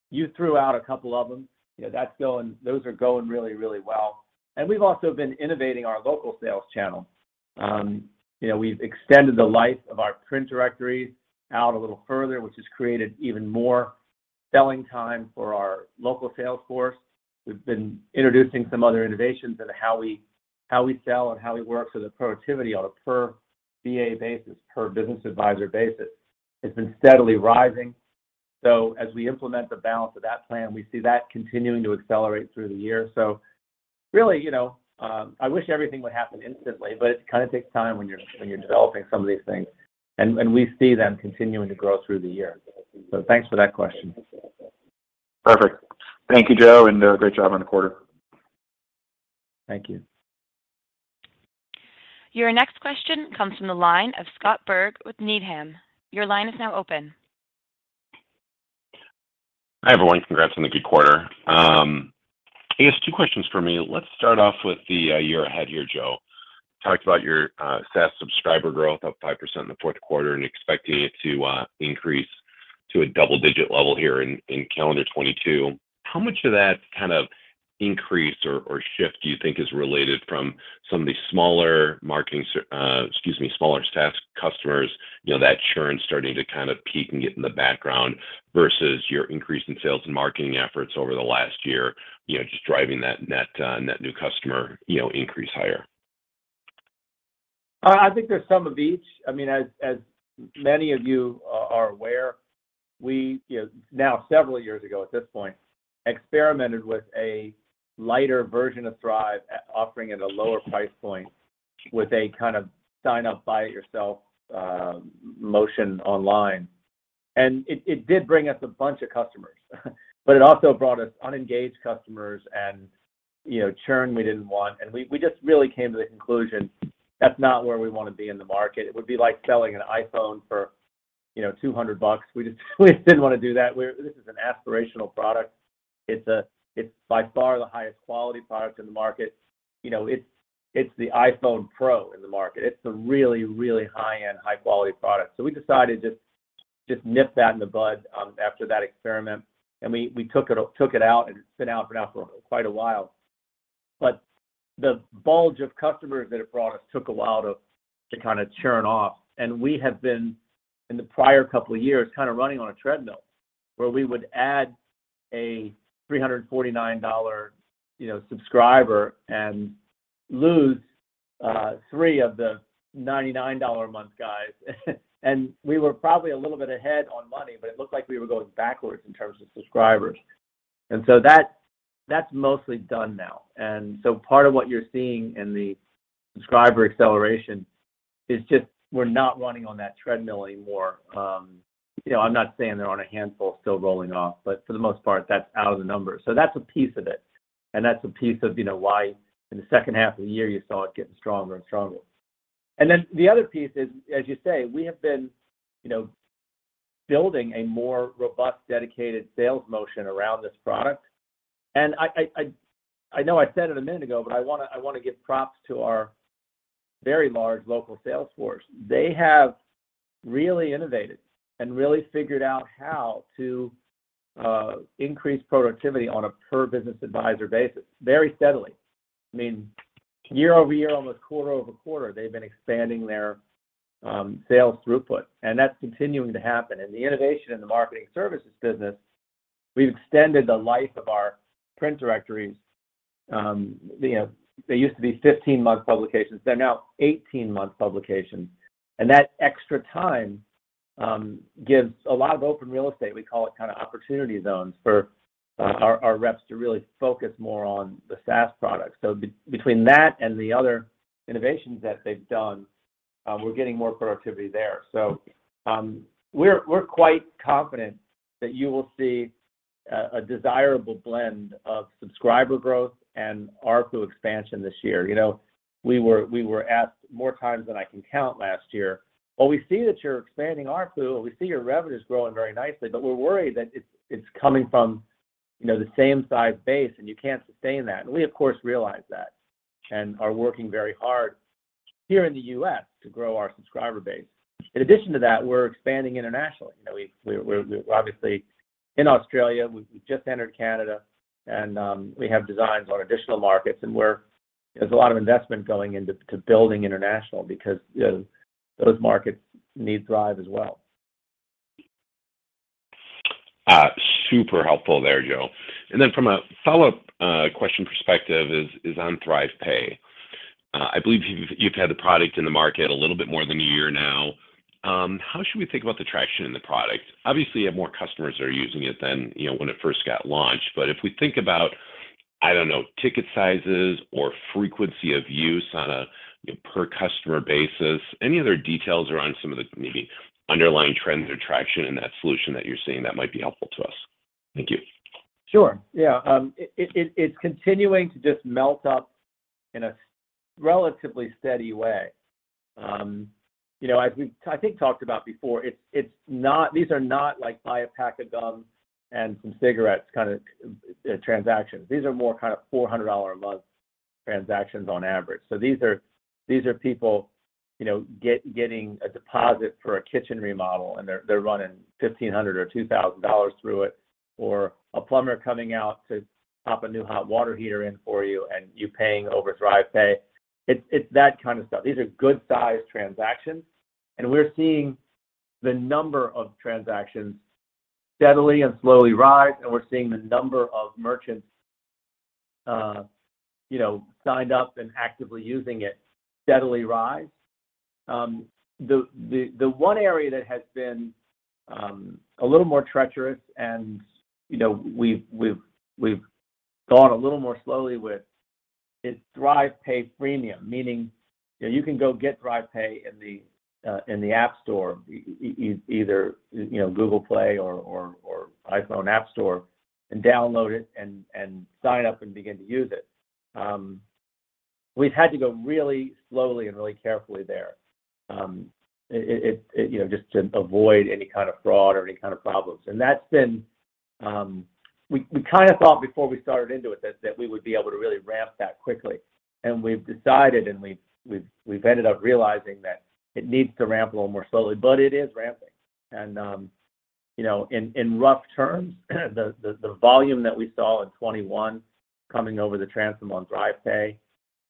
you threw out a couple of them. You know, those are going really, really well. We've also been innovating our local sales channel. You know, we've extended the life of our print directories out a little further, which has created even more selling time for our local sales force. We've been introducing some other innovations into how we sell and how we work. The productivity on a per BA basis, per business advisor basis, has been steadily rising. As we implement the balance of that plan, we see that continuing to accelerate through the year. Really, you know, I wish everything would happen instantly, but it kind of takes time when you're developing some of these things. We see them continuing to grow through the year. Thanks for that question. Perfect. Thank you, Joe, and great job on the quarter. Thank you. Your next question comes from the line of Scott Berg with Needham. Your line is now open. Hi, everyone. Congrats on the good quarter. I guess two questions for me. Let's start off with the year ahead here, Joe. Talked about your SaaS subscriber growth up 5% in the fourth quarter and expecting it to increase to a double-digit level here in calendar 2022. How much of that kind of increase or shift do you think is related from some of these smaller SaaS customers, you know, that churn starting to kind of peak and get in the background versus your increase in sales and marketing efforts over the last year, you know, just driving that net new customer, you know, increase higher? I think there's some of each. I mean, as many of you are aware, we, you know, now several years ago at this point, experimented with a lighter version of Thryv, offering it a lower price point with a kind of sign up, buy it yourself, motion online. It did bring us a bunch of customers, but it also brought us unengaged customers and, you know, churn we didn't want. We just really came to the conclusion that's not where we wanna be in the market. It would be like selling an iPhone for, you know, $200. We didn't wanna do that. This is an aspirational product. It's by far the highest quality product in the market. You know, it's the iPhone Pro in the market. It's the really high-end, high-quality product. We decided to just nip that in the bud, after that experiment, and we took it out, and it's been out now for quite a while. The bulge of customers that it brought us took a while to kinda churn off. We have been, in the prior couple of years, kinda running on a treadmill, where we would add a $349, you know, subscriber and lose three of the $99 a month guys. We were probably a little bit ahead on money, but it looked like we were going backwards in terms of subscribers. That's mostly done now. Part of what you're seeing in the subscriber acceleration is just we're not running on that treadmill anymore. You know, I'm not saying there aren't a handful still rolling off, but for the most part, that's out of the numbers. That's a piece of it, and that's a piece of, you know, why in the second half of the year you saw it getting stronger and stronger. Then the other piece is, as you say, we have been, you know, building a more robust, dedicated sales motion around this product. I know I said it a minute ago, but I wanna give props to our very large local sales force. They have really innovated and really figured out how to increase productivity on a per business advisor basis very steadily. I mean, year-over-year, almost quarter-over-quarter, they've been expanding their sales throughput, and that's continuing to happen. The innovation in the Marketing Services business, we've extended the life of our print directories. You know, they used to be 15-month publications. They're now 18-month publications. That extra time gives a lot of open real estate, we call it kinda opportunity zones, for our reps to really focus more on the SaaS products. Between that and the other innovations that they've done, we're getting more productivity there. We're quite confident that you will see a desirable blend of subscriber growth and ARPU expansion this year. You know, we were asked more times than I can count last year, "Well, we see that you're expanding ARPU, and we see your revenue's growing very nicely, but we're worried that it's coming from, you know, the same size base, and you can't sustain that." We of course realize that and are working very hard here in the U.S. to grow our subscriber base. In addition to that, we're expanding internationally. You know, we're obviously in Australia. We've just entered Canada, and we have designs on additional markets, and we're. There's a lot of investment going into building international because, you know, those markets need Thryv as well. Super helpful there, Joe. From a follow-up question perspective is on ThryvPay. I believe you've had the product in the market a little bit more than a year now. How should we think about the traction in the product? Obviously you have more customers that are using it than, you know, when it first got launched. If we think about, I don't know, ticket sizes or frequency of use on a, you know, per customer basis, any other details around some of the maybe underlying trends or traction in that solution that you're seeing that might be helpful to us? Thank you. Sure, yeah. It's continuing to just melt up in a relatively steady way. You know, as we've, I think, talked about before, it's not. These are not like buy a pack of gum and some cigarettes kinda transactions. These are more kind of $400-a-month transactions on average. So these are people, you know, getting a deposit for a kitchen remodel, and they're running $1,500 or $2,000 through it. Or a plumber coming out to pop a new hot water heater in for you and you paying over ThryvPay. It's that kind of stuff. These are good size transactions, and we're seeing the number of transactions steadily and slowly rise, and we're seeing the number of merchants, you know, signed up and actively using it steadily rise. The one area that has been a little more treacherous and, you know, we've gone a little more slowly with is ThryvPay Premium, meaning, you know, you can go get ThryvPay in the App Store either, you know, Google Play or iPhone App Store and download it and sign up and begin to use it. We've had to go really slowly and really carefully there, it, you know, just to avoid any kind of fraud or any kind of problems. That's been. We kinda thought before we started into it that we would be able to really ramp that quickly. We've decided, we've ended up realizing that it needs to ramp a little more slowly, but it is ramping. You know, in rough terms, the volume that we saw in 2021 coming over the transom on ThryvPay,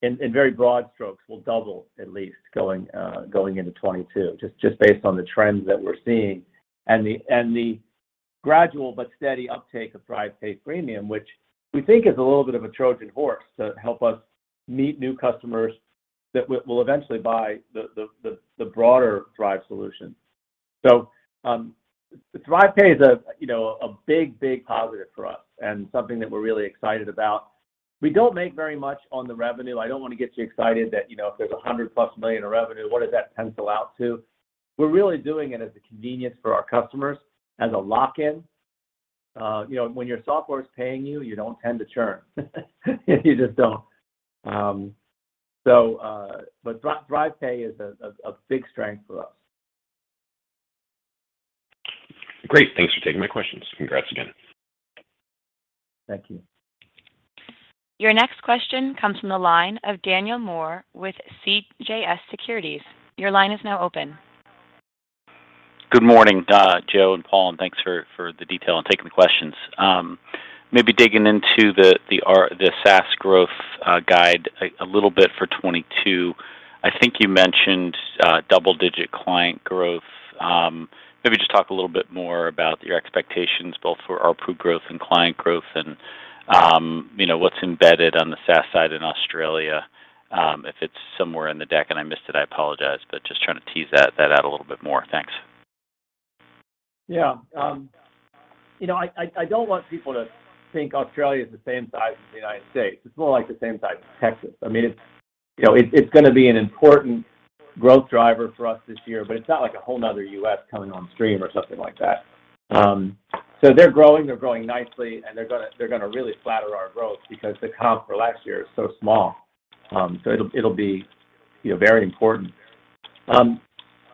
in very broad strokes, will double at least going into 2022 just based on the trends that we're seeing and the gradual but steady uptake of ThryvPay Premium, which we think is a little bit of a Trojan horse to help us meet new customers that will eventually buy the broader Thryv solution. ThryvPay is a big positive for us and something that we're really excited about. We don't make very much on the revenue. I don't wanna get you excited that, you know, if there's $100+ million in revenue, what does that pencil out to? We're really doing it as a convenience for our customers, as a lock-in. You know, when your software's paying you don't tend to churn. You just don't. But ThryvPay is a big strength for us. Great. Thanks for taking my questions. Congrats again. Thank you. Your next question comes from the line of Daniel Moore with CJS Securities. Your line is now open. Good morning, Joe and Paul, and thanks for the detail and taking the questions. Maybe digging into the SaaS growth guide a little bit for 2022. I think you mentioned double-digit client growth. Maybe just talk a little bit more about your expectations both for ARPU growth and client growth and, you know, what's embedded on the SaaS side in Australia, if it's somewhere in the deck and I missed it, I apologize, but just trying to tease that out a little bit more. Thanks. Yeah. You know, I don't want people to think Australia is the same size as the United States. It's more like the same size as Texas. I mean, it's gonna be an important growth driver for us this year, but it's not like a whole another U.S. coming on stream or something like that. So they're growing nicely, and they're gonna really flatter our growth because the comp for last year is so small. So it'll be very important.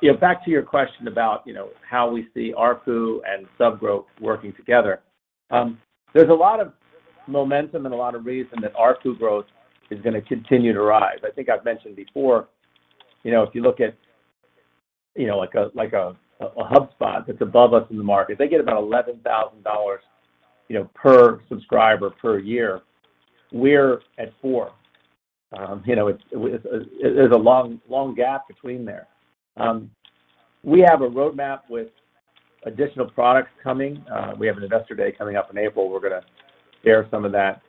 You know, back to your question about how we see ARPU and sub growth working together. There's a lot of momentum and a lot of reason that ARPU growth is gonna continue to rise. I think I've mentioned before, you know, if you look at, you know, like a HubSpot that's above us in the market, they get about $11,000, you know, per subscriber per year. We're at $4,000. It's a long gap between there. We have a roadmap with additional products coming. We have an investor day coming up in April, we're gonna share some of that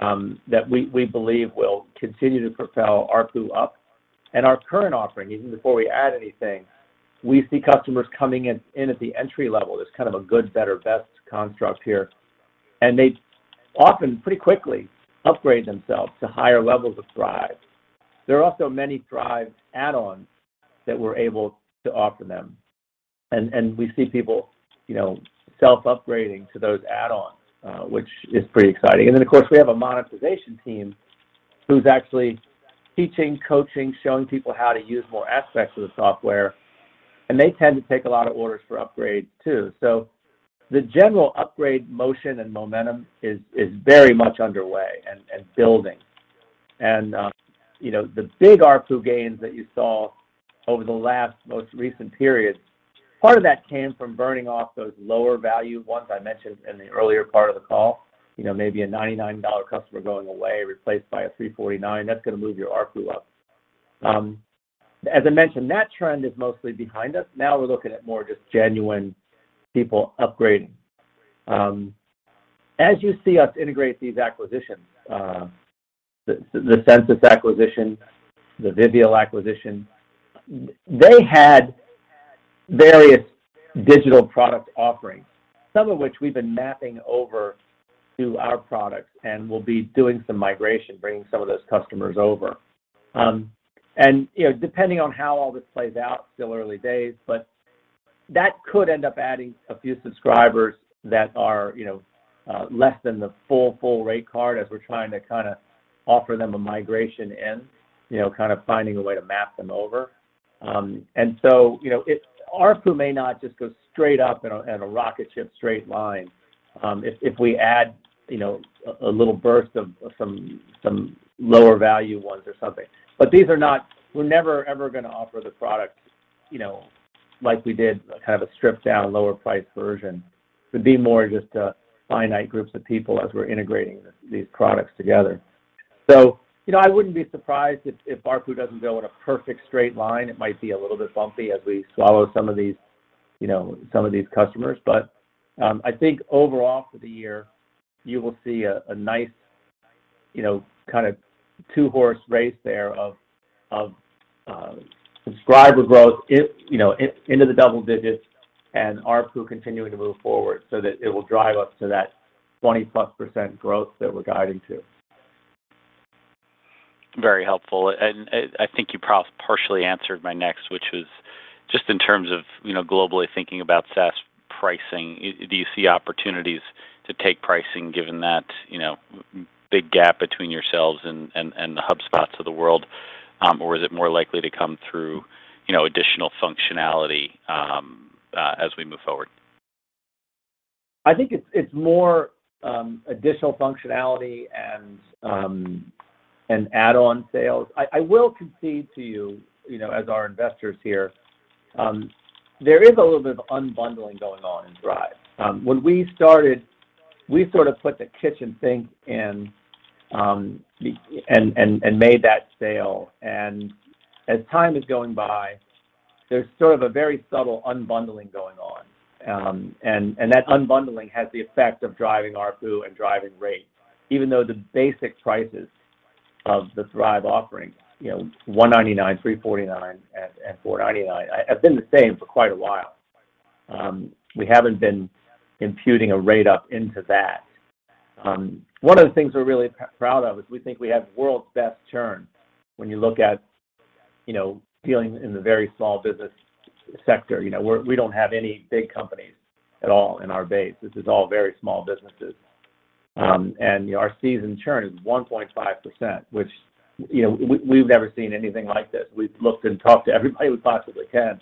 that we believe will continue to propel ARPU up. Our current offering, even before we add anything, we see customers coming in at the entry level. There's kind of a good, better, best construct here. They often pretty quickly upgrade themselves to higher levels of Thryv. There are also many Thryv add-ons that we're able to offer them. We see people, you know, self-upgrading to those add-ons, which is pretty exciting. Then, of course, we have a monetization team who's actually teaching, coaching, showing people how to use more aspects of the software, and they tend to take a lot of orders for upgrades too. The general upgrade motion and momentum is very much underway and building. You know, the big ARPU gains that you saw over the last most recent period, part of that came from burning off those lower value ones I mentioned in the earlier part of the call. You know, maybe a $99 customer going away, replaced by a $349, that's gonna move your ARPU up. As I mentioned, that trend is mostly behind us. Now we're looking at more just genuine people upgrading. As you see us integrate these acquisitions, the Sensis acquisition, the Vivial acquisition, they had various digital product offerings, some of which we've been mapping over to our products, and we'll be doing some migration, bringing some of those customers over. You know, depending on how all this plays out, still early days, but that could end up adding a few subscribers that are, you know, less than the full rate card as we're trying to kinda offer them a migration in, you know, kind of finding a way to map them over. You know, it ARPU may not just go straight up in a rocket ship straight line, if we add, you know, a little burst of some lower value ones or something. These are not. We're never ever gonna offer the product, you know, like we did, kind of a stripped down lower price version. It would be more just a finite groups of people as we're integrating these products together. So, you know, I wouldn't be surprised if ARPU doesn't go in a perfect straight line. It might be a little bit bumpy as we swallow some of these, you know, some of these customers. I think overall for the year, you will see a nice, you know, kind of two-horse race there of subscriber growth into the double digits and ARPU continuing to move forward so that it will drive us to that 20%+ growth that we're guiding to. Very helpful. I think you partially answered my next, which was just in terms of, you know, globally thinking about SaaS pricing, do you see opportunities to take pricing given that, you know, big gap between yourselves and the HubSpots of the world? Or is it more likely to come through, you know, additional functionality, as we move forward? I think it's more additional functionality and add-on sales. I will concede to you know, as our investors here, there is a little bit of unbundling going on in Thryv. When we started, we sort of put the kitchen sink in and made that sale. As time is going by, there's sort of a very subtle unbundling going on. And that unbundling has the effect of driving ARPU and driving rate, even though the basic prices of the Thryv offering, you know, $199, $349, and $499 have been the same for quite a while. We haven't been imputing a rate up into that. One of the things we're really proud of is we think we have world's best churn when you look at, you know, dealing in the very small business sector. You know, we don't have any big companies at all in our base. This is all very small businesses. You know, our SaaS churn is 1.5%, which, you know, we've never seen anything like this. We've looked and talked to everybody we possibly can.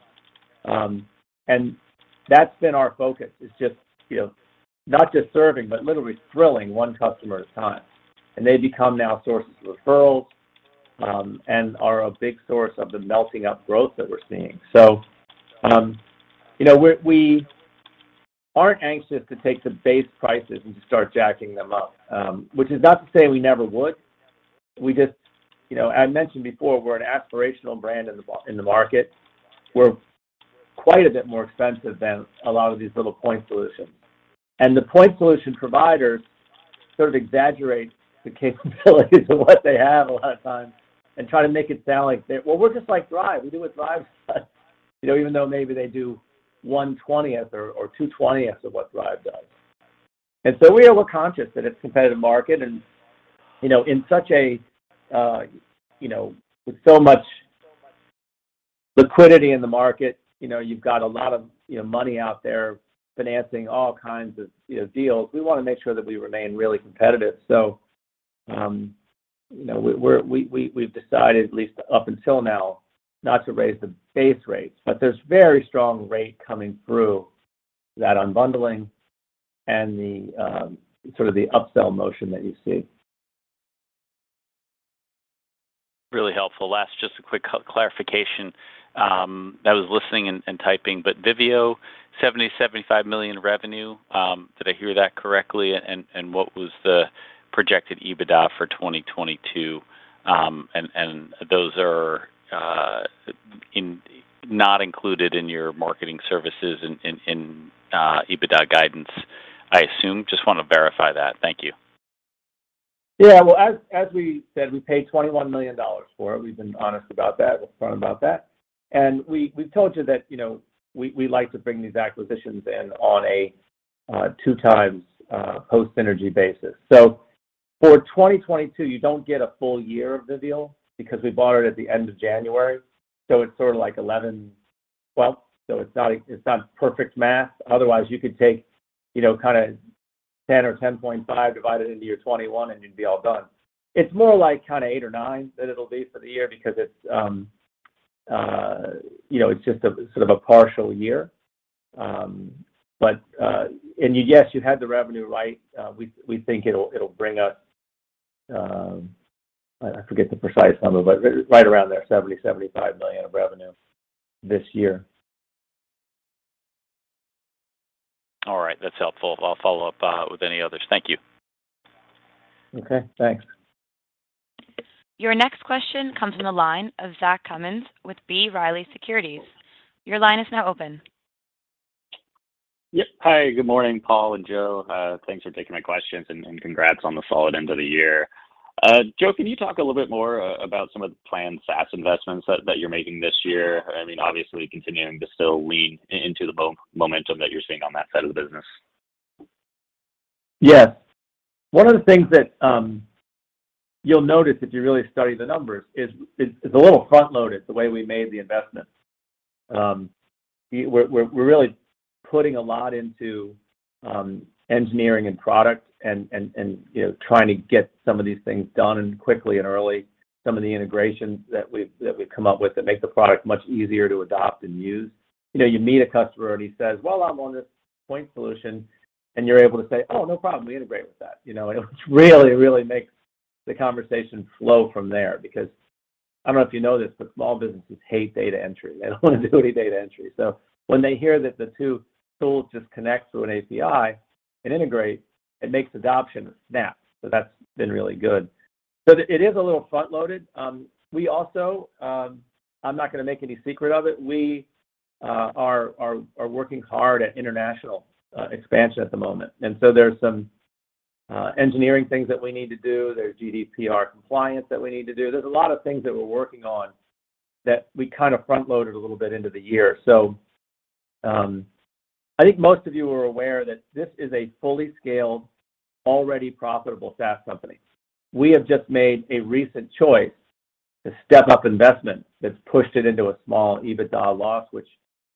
That's been our focus, is just, you know, not just serving, but literally thrilling one customer at a time. They become now sources of referrals and are a big source of the melting up growth that we're seeing. You know, we aren't anxious to take the base prices and start jacking them up, which is not to say we never would. We just you know, I mentioned before we're an aspirational brand in the market. We're quite a bit more expensive than a lot of these little point solutions. The point solution providers sort of exaggerate the capabilities of what they have a lot of times and try to make it sound like they, "Well, we're just like Thryv. We do what Thryv does," you know, even though maybe they do one-twentieth or two-twentieths of what Thryv does. We are conscious that it's a competitive market and, you know, in such a, you know, with so much liquidity in the market, you know, you've got a lot of, you know, money out there financing all kinds of, you know, deals. We wanna make sure that we remain really competitive. You know, we've decided at least up until now not to raise the base rates, but there's very strong rate coming through that unbundling and the sort of upsell motion that you see. Really helpful. Last just a quick clarification. I was listening and typing, but Vivial, $75 million revenue, did I hear that correctly? What was the projected EBITDA for 2022? Those are not included in your Marketing Services EBITDA guidance, I assume. Just wanna verify that. Thank you. Yeah. Well as we said, we paid $21 million for it. We've been honest about that, upfront about that. We’ve told you that, you know, we like to bring these acquisitions in on a 2x post-synergy basis. For 2022, you don't get a full year of Vivial because we bought it at the end of January, so it's sort of like 11-12. It's not perfect math. Otherwise you could take, you know, kinda 10 or 10.5, divide it into your 21, and you'd be all done. It's more like kinda eight or nine that it'll be for the year because it's, you know, it's just a sort of a partial year. But yes, you had the revenue right. We think it'll bring us. I forget the precise number, but right around there, $70 million-$75 million of revenue this year. All right. That's helpful. I'll follow up with any others. Thank you. Okay, thanks. Your next question comes from the line of Zach Cummins with B. Riley Securities. Your line is now open. Yep. Hi. Good morning, Paul and Joe. Thanks for taking my questions and congrats on the solid end of the year. Joe, can you talk a little bit more about some of the planned SaaS investments that you're making this year? I mean, obviously continuing to still lean into the momentum that you're seeing on that side of the business. Yes. One of the things that you'll notice if you really study the numbers is it's a little front-loaded the way we made the investment. We're really putting a lot into engineering and product and, you know, trying to get some of these things done and quickly and early, some of the integrations that we've come up with that make the product much easier to adopt and use. You know, you meet a customer and he says, "Well, I'm on this point solution," and you're able to say, "Oh, no problem. We integrate with that." You know? It really makes the conversation flow from there because I don't know if you know this, but small businesses hate data entry. They don't wanna do any data entry. When they hear that the two tools just connect through an API and integrate, it makes adoption snap. That's been really good. It is a little front-loaded. We also, I'm not gonna make any secret of it, we are working hard at international expansion at the moment. There's some engineering things that we need to do. There's GDPR compliance that we need to do. There's a lot of things that we're working on that we kind of front-loaded a little bit into the year. I think most of you are aware that this is a fully scaled, already profitable SaaS company. We have just made a recent choice to step up investment that's pushed it into a small EBITDA loss, which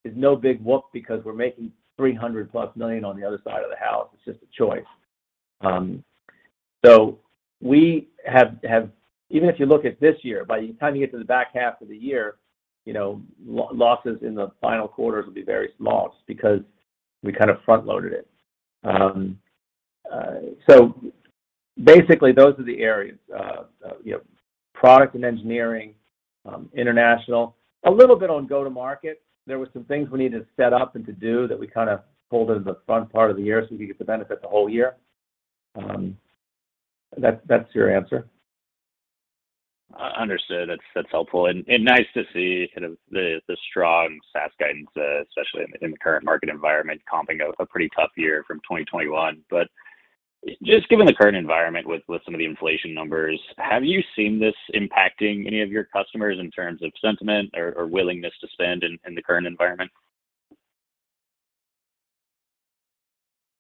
is no big whoop because we're making $300+ million on the other side of the house. It's just a choice. Even if you look at this year, by the time you get to the back half of the year, you know, losses in the final quarters will be very small just because we kind of front-loaded it. Basically those are the areas. You know, product and engineering, international, a little bit on go-to-market. There were some things we needed to set up and to do that we kinda pulled into the front part of the year so we could get the benefit the whole year. That's your answer. Understood. That's helpful and nice to see kind of the strong SaaS guidance, especially in the current market environment coming off a pretty tough year from 2021. Just given the current environment with some of the inflation numbers, have you seen this impacting any of your customers in terms of sentiment or willingness to spend in the current environment?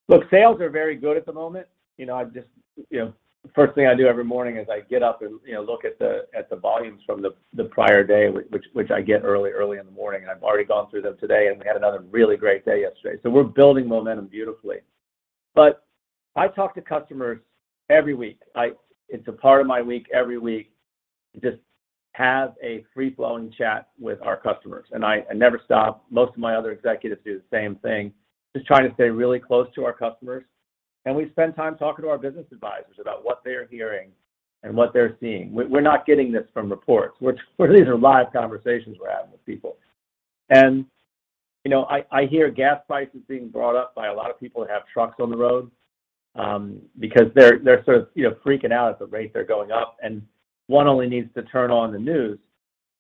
Look, sales are very good at the moment. You know, I've just you know, first thing I do every morning is I get up and, you know, look at the volumes from the prior day, which I get early in the morning. I've already gone through them today, and we had another really great day yesterday. We're building momentum beautifully. I talk to customers every week. It's a part of my week every week, just have a free-flowing chat with our customers, and I never stop. Most of my other executives do the same thing, just trying to stay really close to our customers. We spend time talking to our business advisors about what they're hearing and what they're seeing. We're not getting this from reports. These are live conversations we're having with people. You know, I hear gas prices being brought up by a lot of people that have trucks on the road, because they're sort of, you know, freaking out at the rate they're going up. One only needs to turn on the news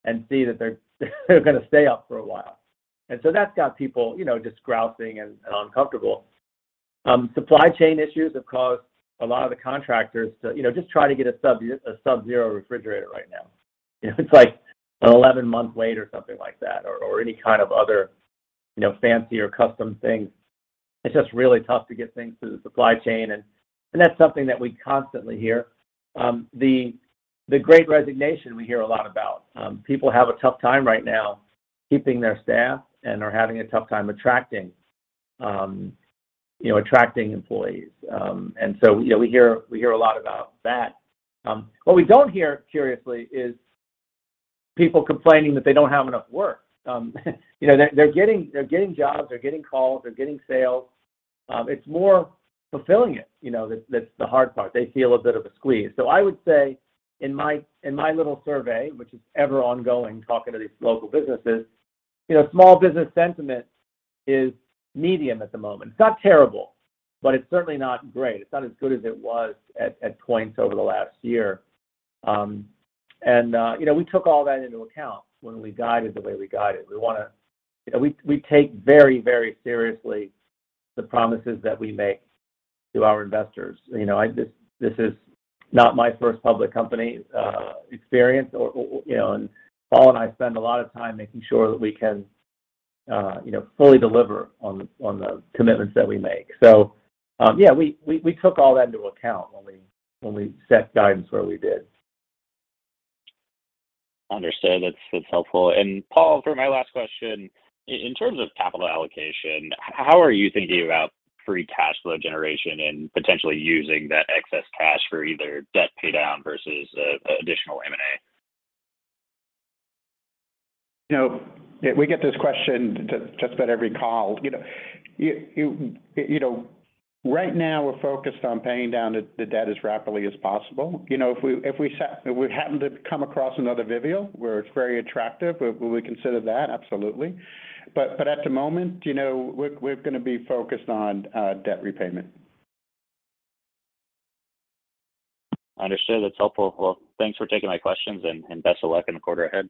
and see that they're gonna stay up for a while. That's got people, you know, just grousing and uncomfortable. Supply chain issues have caused a lot of the contractors to, you know, just try to get a Sub-Zero refrigerator right now. You know, it's like an 11-month wait or something like that, or any kind of other, you know, fancy or custom thing. It's just really tough to get things through the supply chain and that's something that we constantly hear. The Great Resignation we hear a lot about. People have a tough time right now keeping their staff and are having a tough time attracting, you know, attracting employees. You know, we hear a lot about that. What we don't hear, curiously, is people complaining that they don't have enough work. You know, they're getting jobs, they're getting calls, they're getting sales. It's more fulfilling it, you know, that's the hard part. They feel a bit of a squeeze. I would say in my little survey, which is ever ongoing, talking to these local businesses, you know, small business sentiment is medium at the moment. It's not terrible, but it's certainly not great. It's not as good as it was at points over the last year. You know, we took all that into account when we guided the way we guided. You know, we take very, very seriously the promises that we make to our investors. You know, this is not my first public company experience. You know, and Paul and I spend a lot of time making sure that we can, you know, fully deliver on the commitments that we make. Yeah, we took all that into account when we set guidance where we did. Understood. That's helpful. Paul, for my last question, in terms of capital allocation, how are you thinking about free cash flow generation and potentially using that excess cash for either debt paydown versus additional M&A? You know, we get this question just about every call. You know, right now we're focused on paying down the debt as rapidly as possible. You know, if we happen to come across another Vivial where it's very attractive, we consider that, absolutely. At the moment, you know, we're gonna be focused on debt repayment. Understood. That's helpful. Well, thanks for taking my questions and best of luck in the quarter ahead.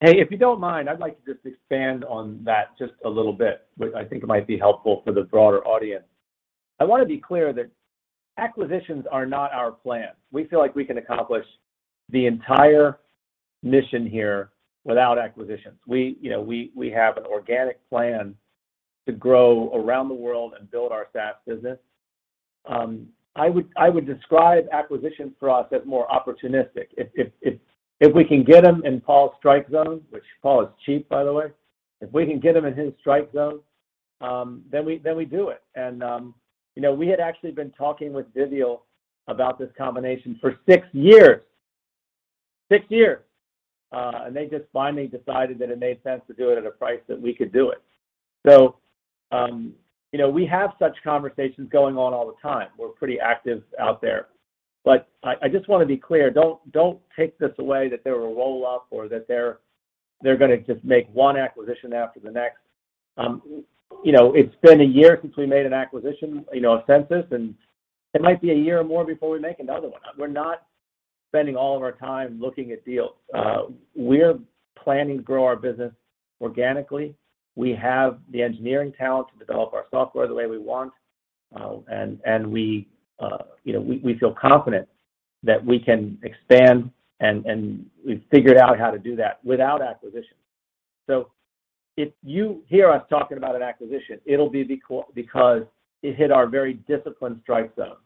Hey, if you don't mind, I'd like to just expand on that just a little bit, which I think it might be helpful for the broader audience. I wanna be clear that acquisitions are not our plan. We feel like we can accomplish the entire mission here without acquisitions. We, you know, have an organic plan to grow around the world and build our SaaS business. I would describe acquisitions for us as more opportunistic. If we can get them in Paul's strike zone, which Paul is cheap, by the way, if we can get them in his strike zone, then we do it. You know, we had actually been talking with Vivial about this combination for six years. Six years. They just finally decided that it made sense to do it at a price that we could do it. You know, we have such conversations going on all the time. We're pretty active out there. I just wanna be clear, don't take this away that they're a roll-up or that they're gonna just make one acquisition after the next. You know, it's been a year since we made an acquisition, you know, Sensis, and it might be a year or more before we make another one. We're not spending all of our time looking at deals. We're planning to grow our business organically. We have the engineering talent to develop our software the way we want, and we feel confident that we can expand and we've figured out how to do that without acquisitions. If you hear us talking about an acquisition, it'll be because it hit our very disciplined strike zone.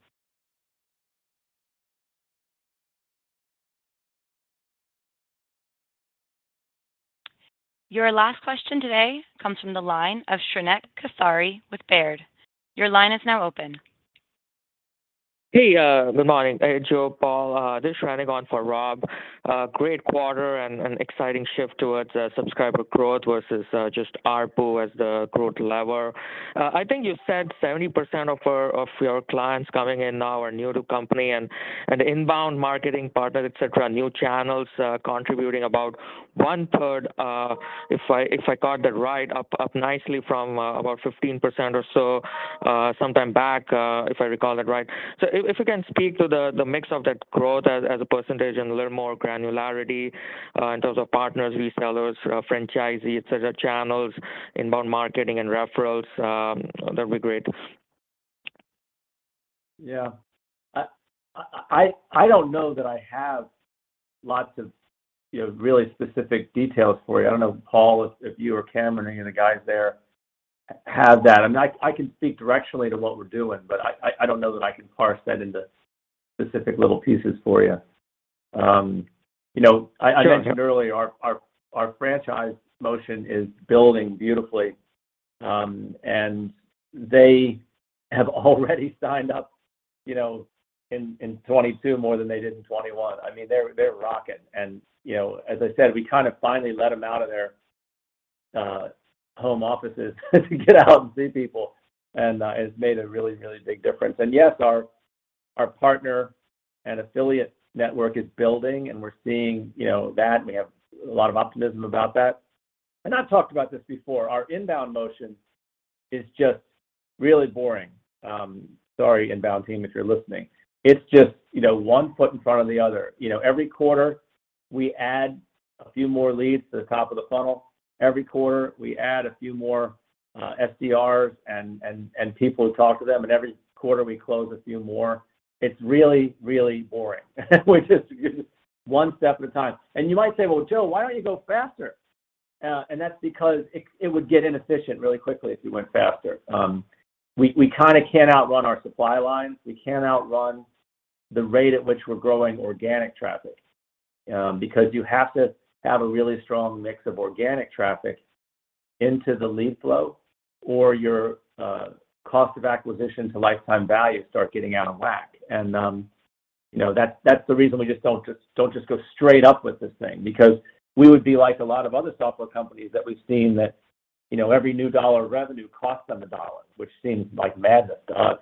Your last question today comes from the line of Shrenik Kothari with Baird. Your line is now open. Hey, good morning, Joe, Paul. This is Shrenik on for Rob. Great quarter and exciting shift towards subscriber growth versus just ARPU as the growth lever. I think you said 70% of our, of your clients coming in now are new to company and inbound marketing partners, et cetera, new channels contributing about one-third, if I got that right, up nicely from about 15% or so sometime back, if I recall that right. If you can speak to the mix of that growth as a percentage and a little more granularity in terms of partners, resellers, franchisees, et cetera, channels, inbound marketing and referrals, that'd be great. Yeah. I don't know that I have lots of, you know, really specific details for you. I don't know, Paul, if you or Cameron or any of the guys there have that. I mean, I can speak directionally to what we're doing, but I don't know that I can parse that into specific little pieces for you. You know, I mentioned earlier our franchise motion is building beautifully, and they have already signed up, you know, in 2022 more than they did in 2021. I mean, they're rocking. You know, as I said, we kind of finally let them out of their home offices to get out and see people. It's made a really big difference. Yes, our partner and affiliate network is building, and we're seeing, you know, that, and we have a lot of optimism about that. I've talked about this before. Our inbound motion is just really boring. Sorry inbound team if you're listening. It's just, you know, one foot in front of the other. You know, every quarter we add a few more leads to the top of the funnel. Every quarter, we add a few more SDRs and people who talk to them, and every quarter we close a few more. It's really boring. We're just one step at a time. You might say, "Well Joe, why don't you go faster?" That's because it would get inefficient really quickly if you went faster. We kinda can't outrun our supply lines. We can't outrun the rate at which we're growing organic traffic, because you have to have a really strong mix of organic traffic into the lead flow or your cost of acquisition to lifetime value start getting out of whack. You know, that's the reason we don't just go straight up with this thing because we would be like a lot of other software companies that we've seen that, you know, every new dollar of revenue costs them a dollar, which seems like madness to us.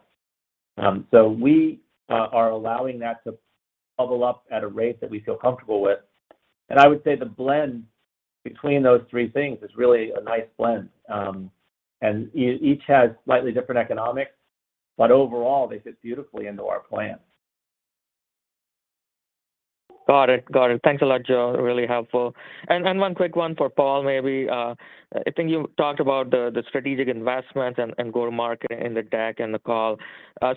We are allowing that to bubble up at a rate that we feel comfortable with. I would say the blend between those three things is really a nice blend. Each has slightly different economics, but overall, they fit beautifully into our plan. Got it. Thanks a lot, Joe. Really helpful. One quick one for Paul maybe. I think you talked about the strategic investment and go-to-market in the deck and the call.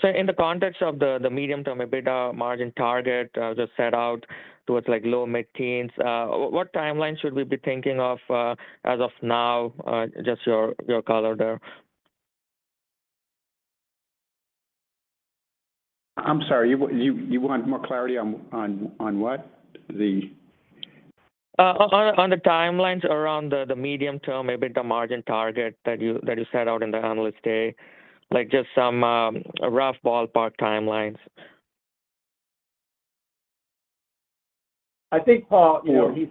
In the context of the medium term EBITDA margin target, just set out towards like low mid-teens, what timeline should we be thinking of, as of now, just your color there? I'm sorry, you want more clarity on what? On the timelines around the medium term EBITDA margin target that you set out in the Analyst Day. Like, just some rough ballpark timelines. I think Paul, you know, he's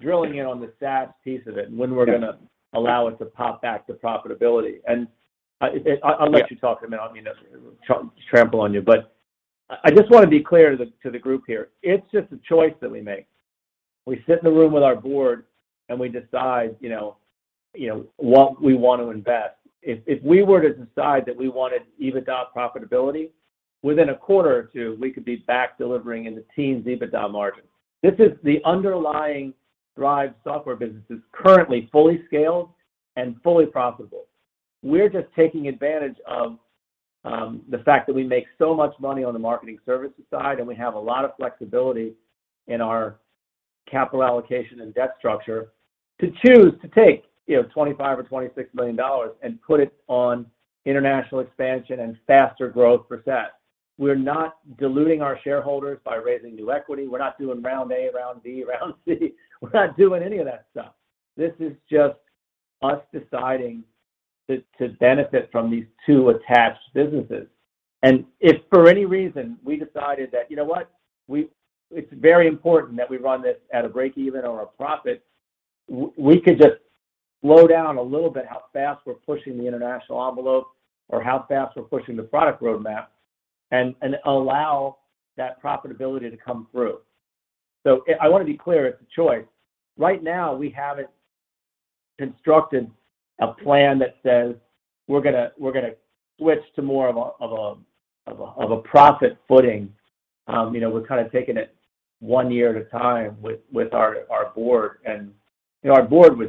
drilling in on the SaaS piece of it and when we're gonna allow it to pop back to profitability. It. I'll let you talk a minute. I don't mean to trample on you. I just wanna be clear to the group here, it's just a choice that we make. We sit in a room with our board, and we decide, you know, what we want to invest. If we were to decide that we wanted EBITDA profitability, within a quarter or two we could be back delivering in the teens EBITDA margin. This is the underlying Thryv software business is currently fully scaled and fully profitable. We're just taking advantage of the fact that we make so much money on the Marketing Services side, and we have a lot of flexibility in our capital allocation and debt structure to choose to take, you know, $25 million or $26 million and put it on international expansion and faster growth for SaaS. We're not diluting our shareholders by raising new equity. We're not doing round A, round B, round C. We're not doing any of that stuff. This is just us deciding to benefit from these two attached businesses. If for any reason we decided that, you know what? It's very important that we run this at a break-even or a profit, we could just slow down a little bit how fast we're pushing the international envelope or how fast we're pushing the product roadmap and allow that profitability to come through. I want to be clear, it's a choice. Right now, we haven't constructed a plan that says we're gonna switch to more of a profit footing. You know, we're kinda taking it one year at a time with our board. Our board was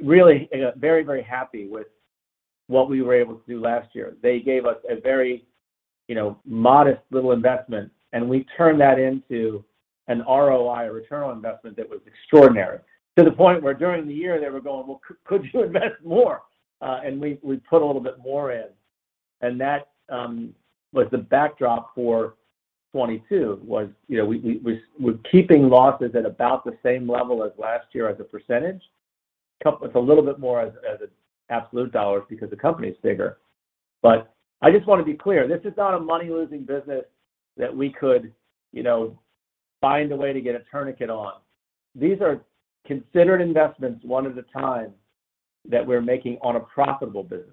really very happy with what we were able to do last year. They gave us a very modest little investment, and we turned that into an ROI, return on investment, that was extraordinary, to the point where during the year they were going, "Well, could you invest more?" And we put a little bit more in. That was the backdrop for 2022, you know, we're keeping losses at about the same level as last year as a percentage. It's a little bit more in absolute dollars because the company's bigger. I just wanna be clear, this is not a money-losing business that we could, you know, find a way to get a tourniquet on. These are considered investments one at a time that we're making on a profitable business.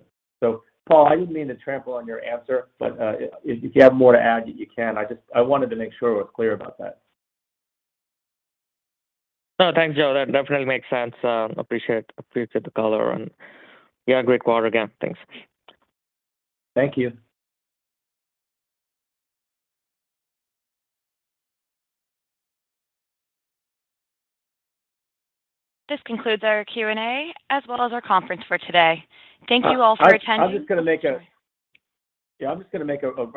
Paul, I didn't mean to trample on your answer, but if you have more to add, you can. I just wanted to make sure it was clear about that. No, thanks, Joe. That definitely makes sense. I appreciate the color and yeah, great quarter again. Thanks. Thank you. This concludes our Q&A as well as our conference for today. Thank you all for attending. I'm just gonna make a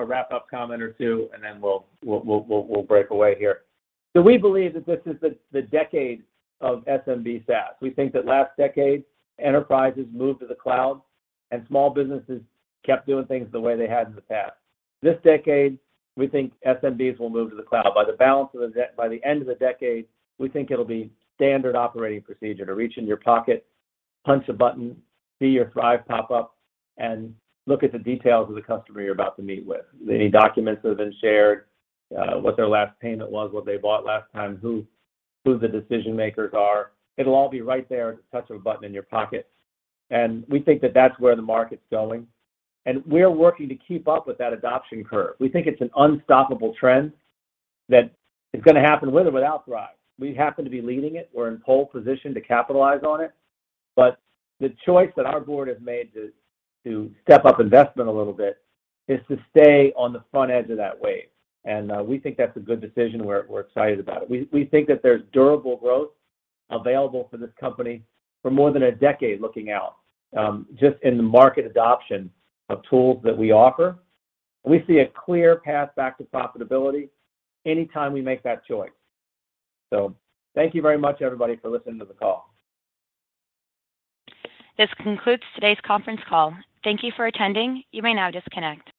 wrap-up comment or two, and then we'll break away here. We believe that this is the decade of SMB SaaS. We think that last decade enterprises moved to the cloud and small businesses kept doing things the way they had in the past. This decade, we think SMBs will move to the cloud. By the end of the decade, we think it'll be standard operating procedure to reach in your pocket, punch a button, see your Thryv pop-up, and look at the details of the customer you're about to meet with. Any documents that have been shared, what their last payment was, what they bought last time, who the decision-makers are. It'll all be right there at the touch of a button in your pocket. We think that that's where the market's going, and we're working to keep up with that adoption curve. We think it's an unstoppable trend that is gonna happen with or without Thryv. We happen to be leading it. We're in pole position to capitalize on it. The choice that our board has made to step up investment a little bit is to stay on the front edge of that wave, and we think that's a good decision. We're excited about it. We think that there's durable growth available for this company for more than a decade looking out, just in the market adoption of tools that we offer. We see a clear path back to profitability anytime we make that choice. Thank you very much everybody for listening to the call. This concludes today's conference call. Thank you for attending. You may now disconnect.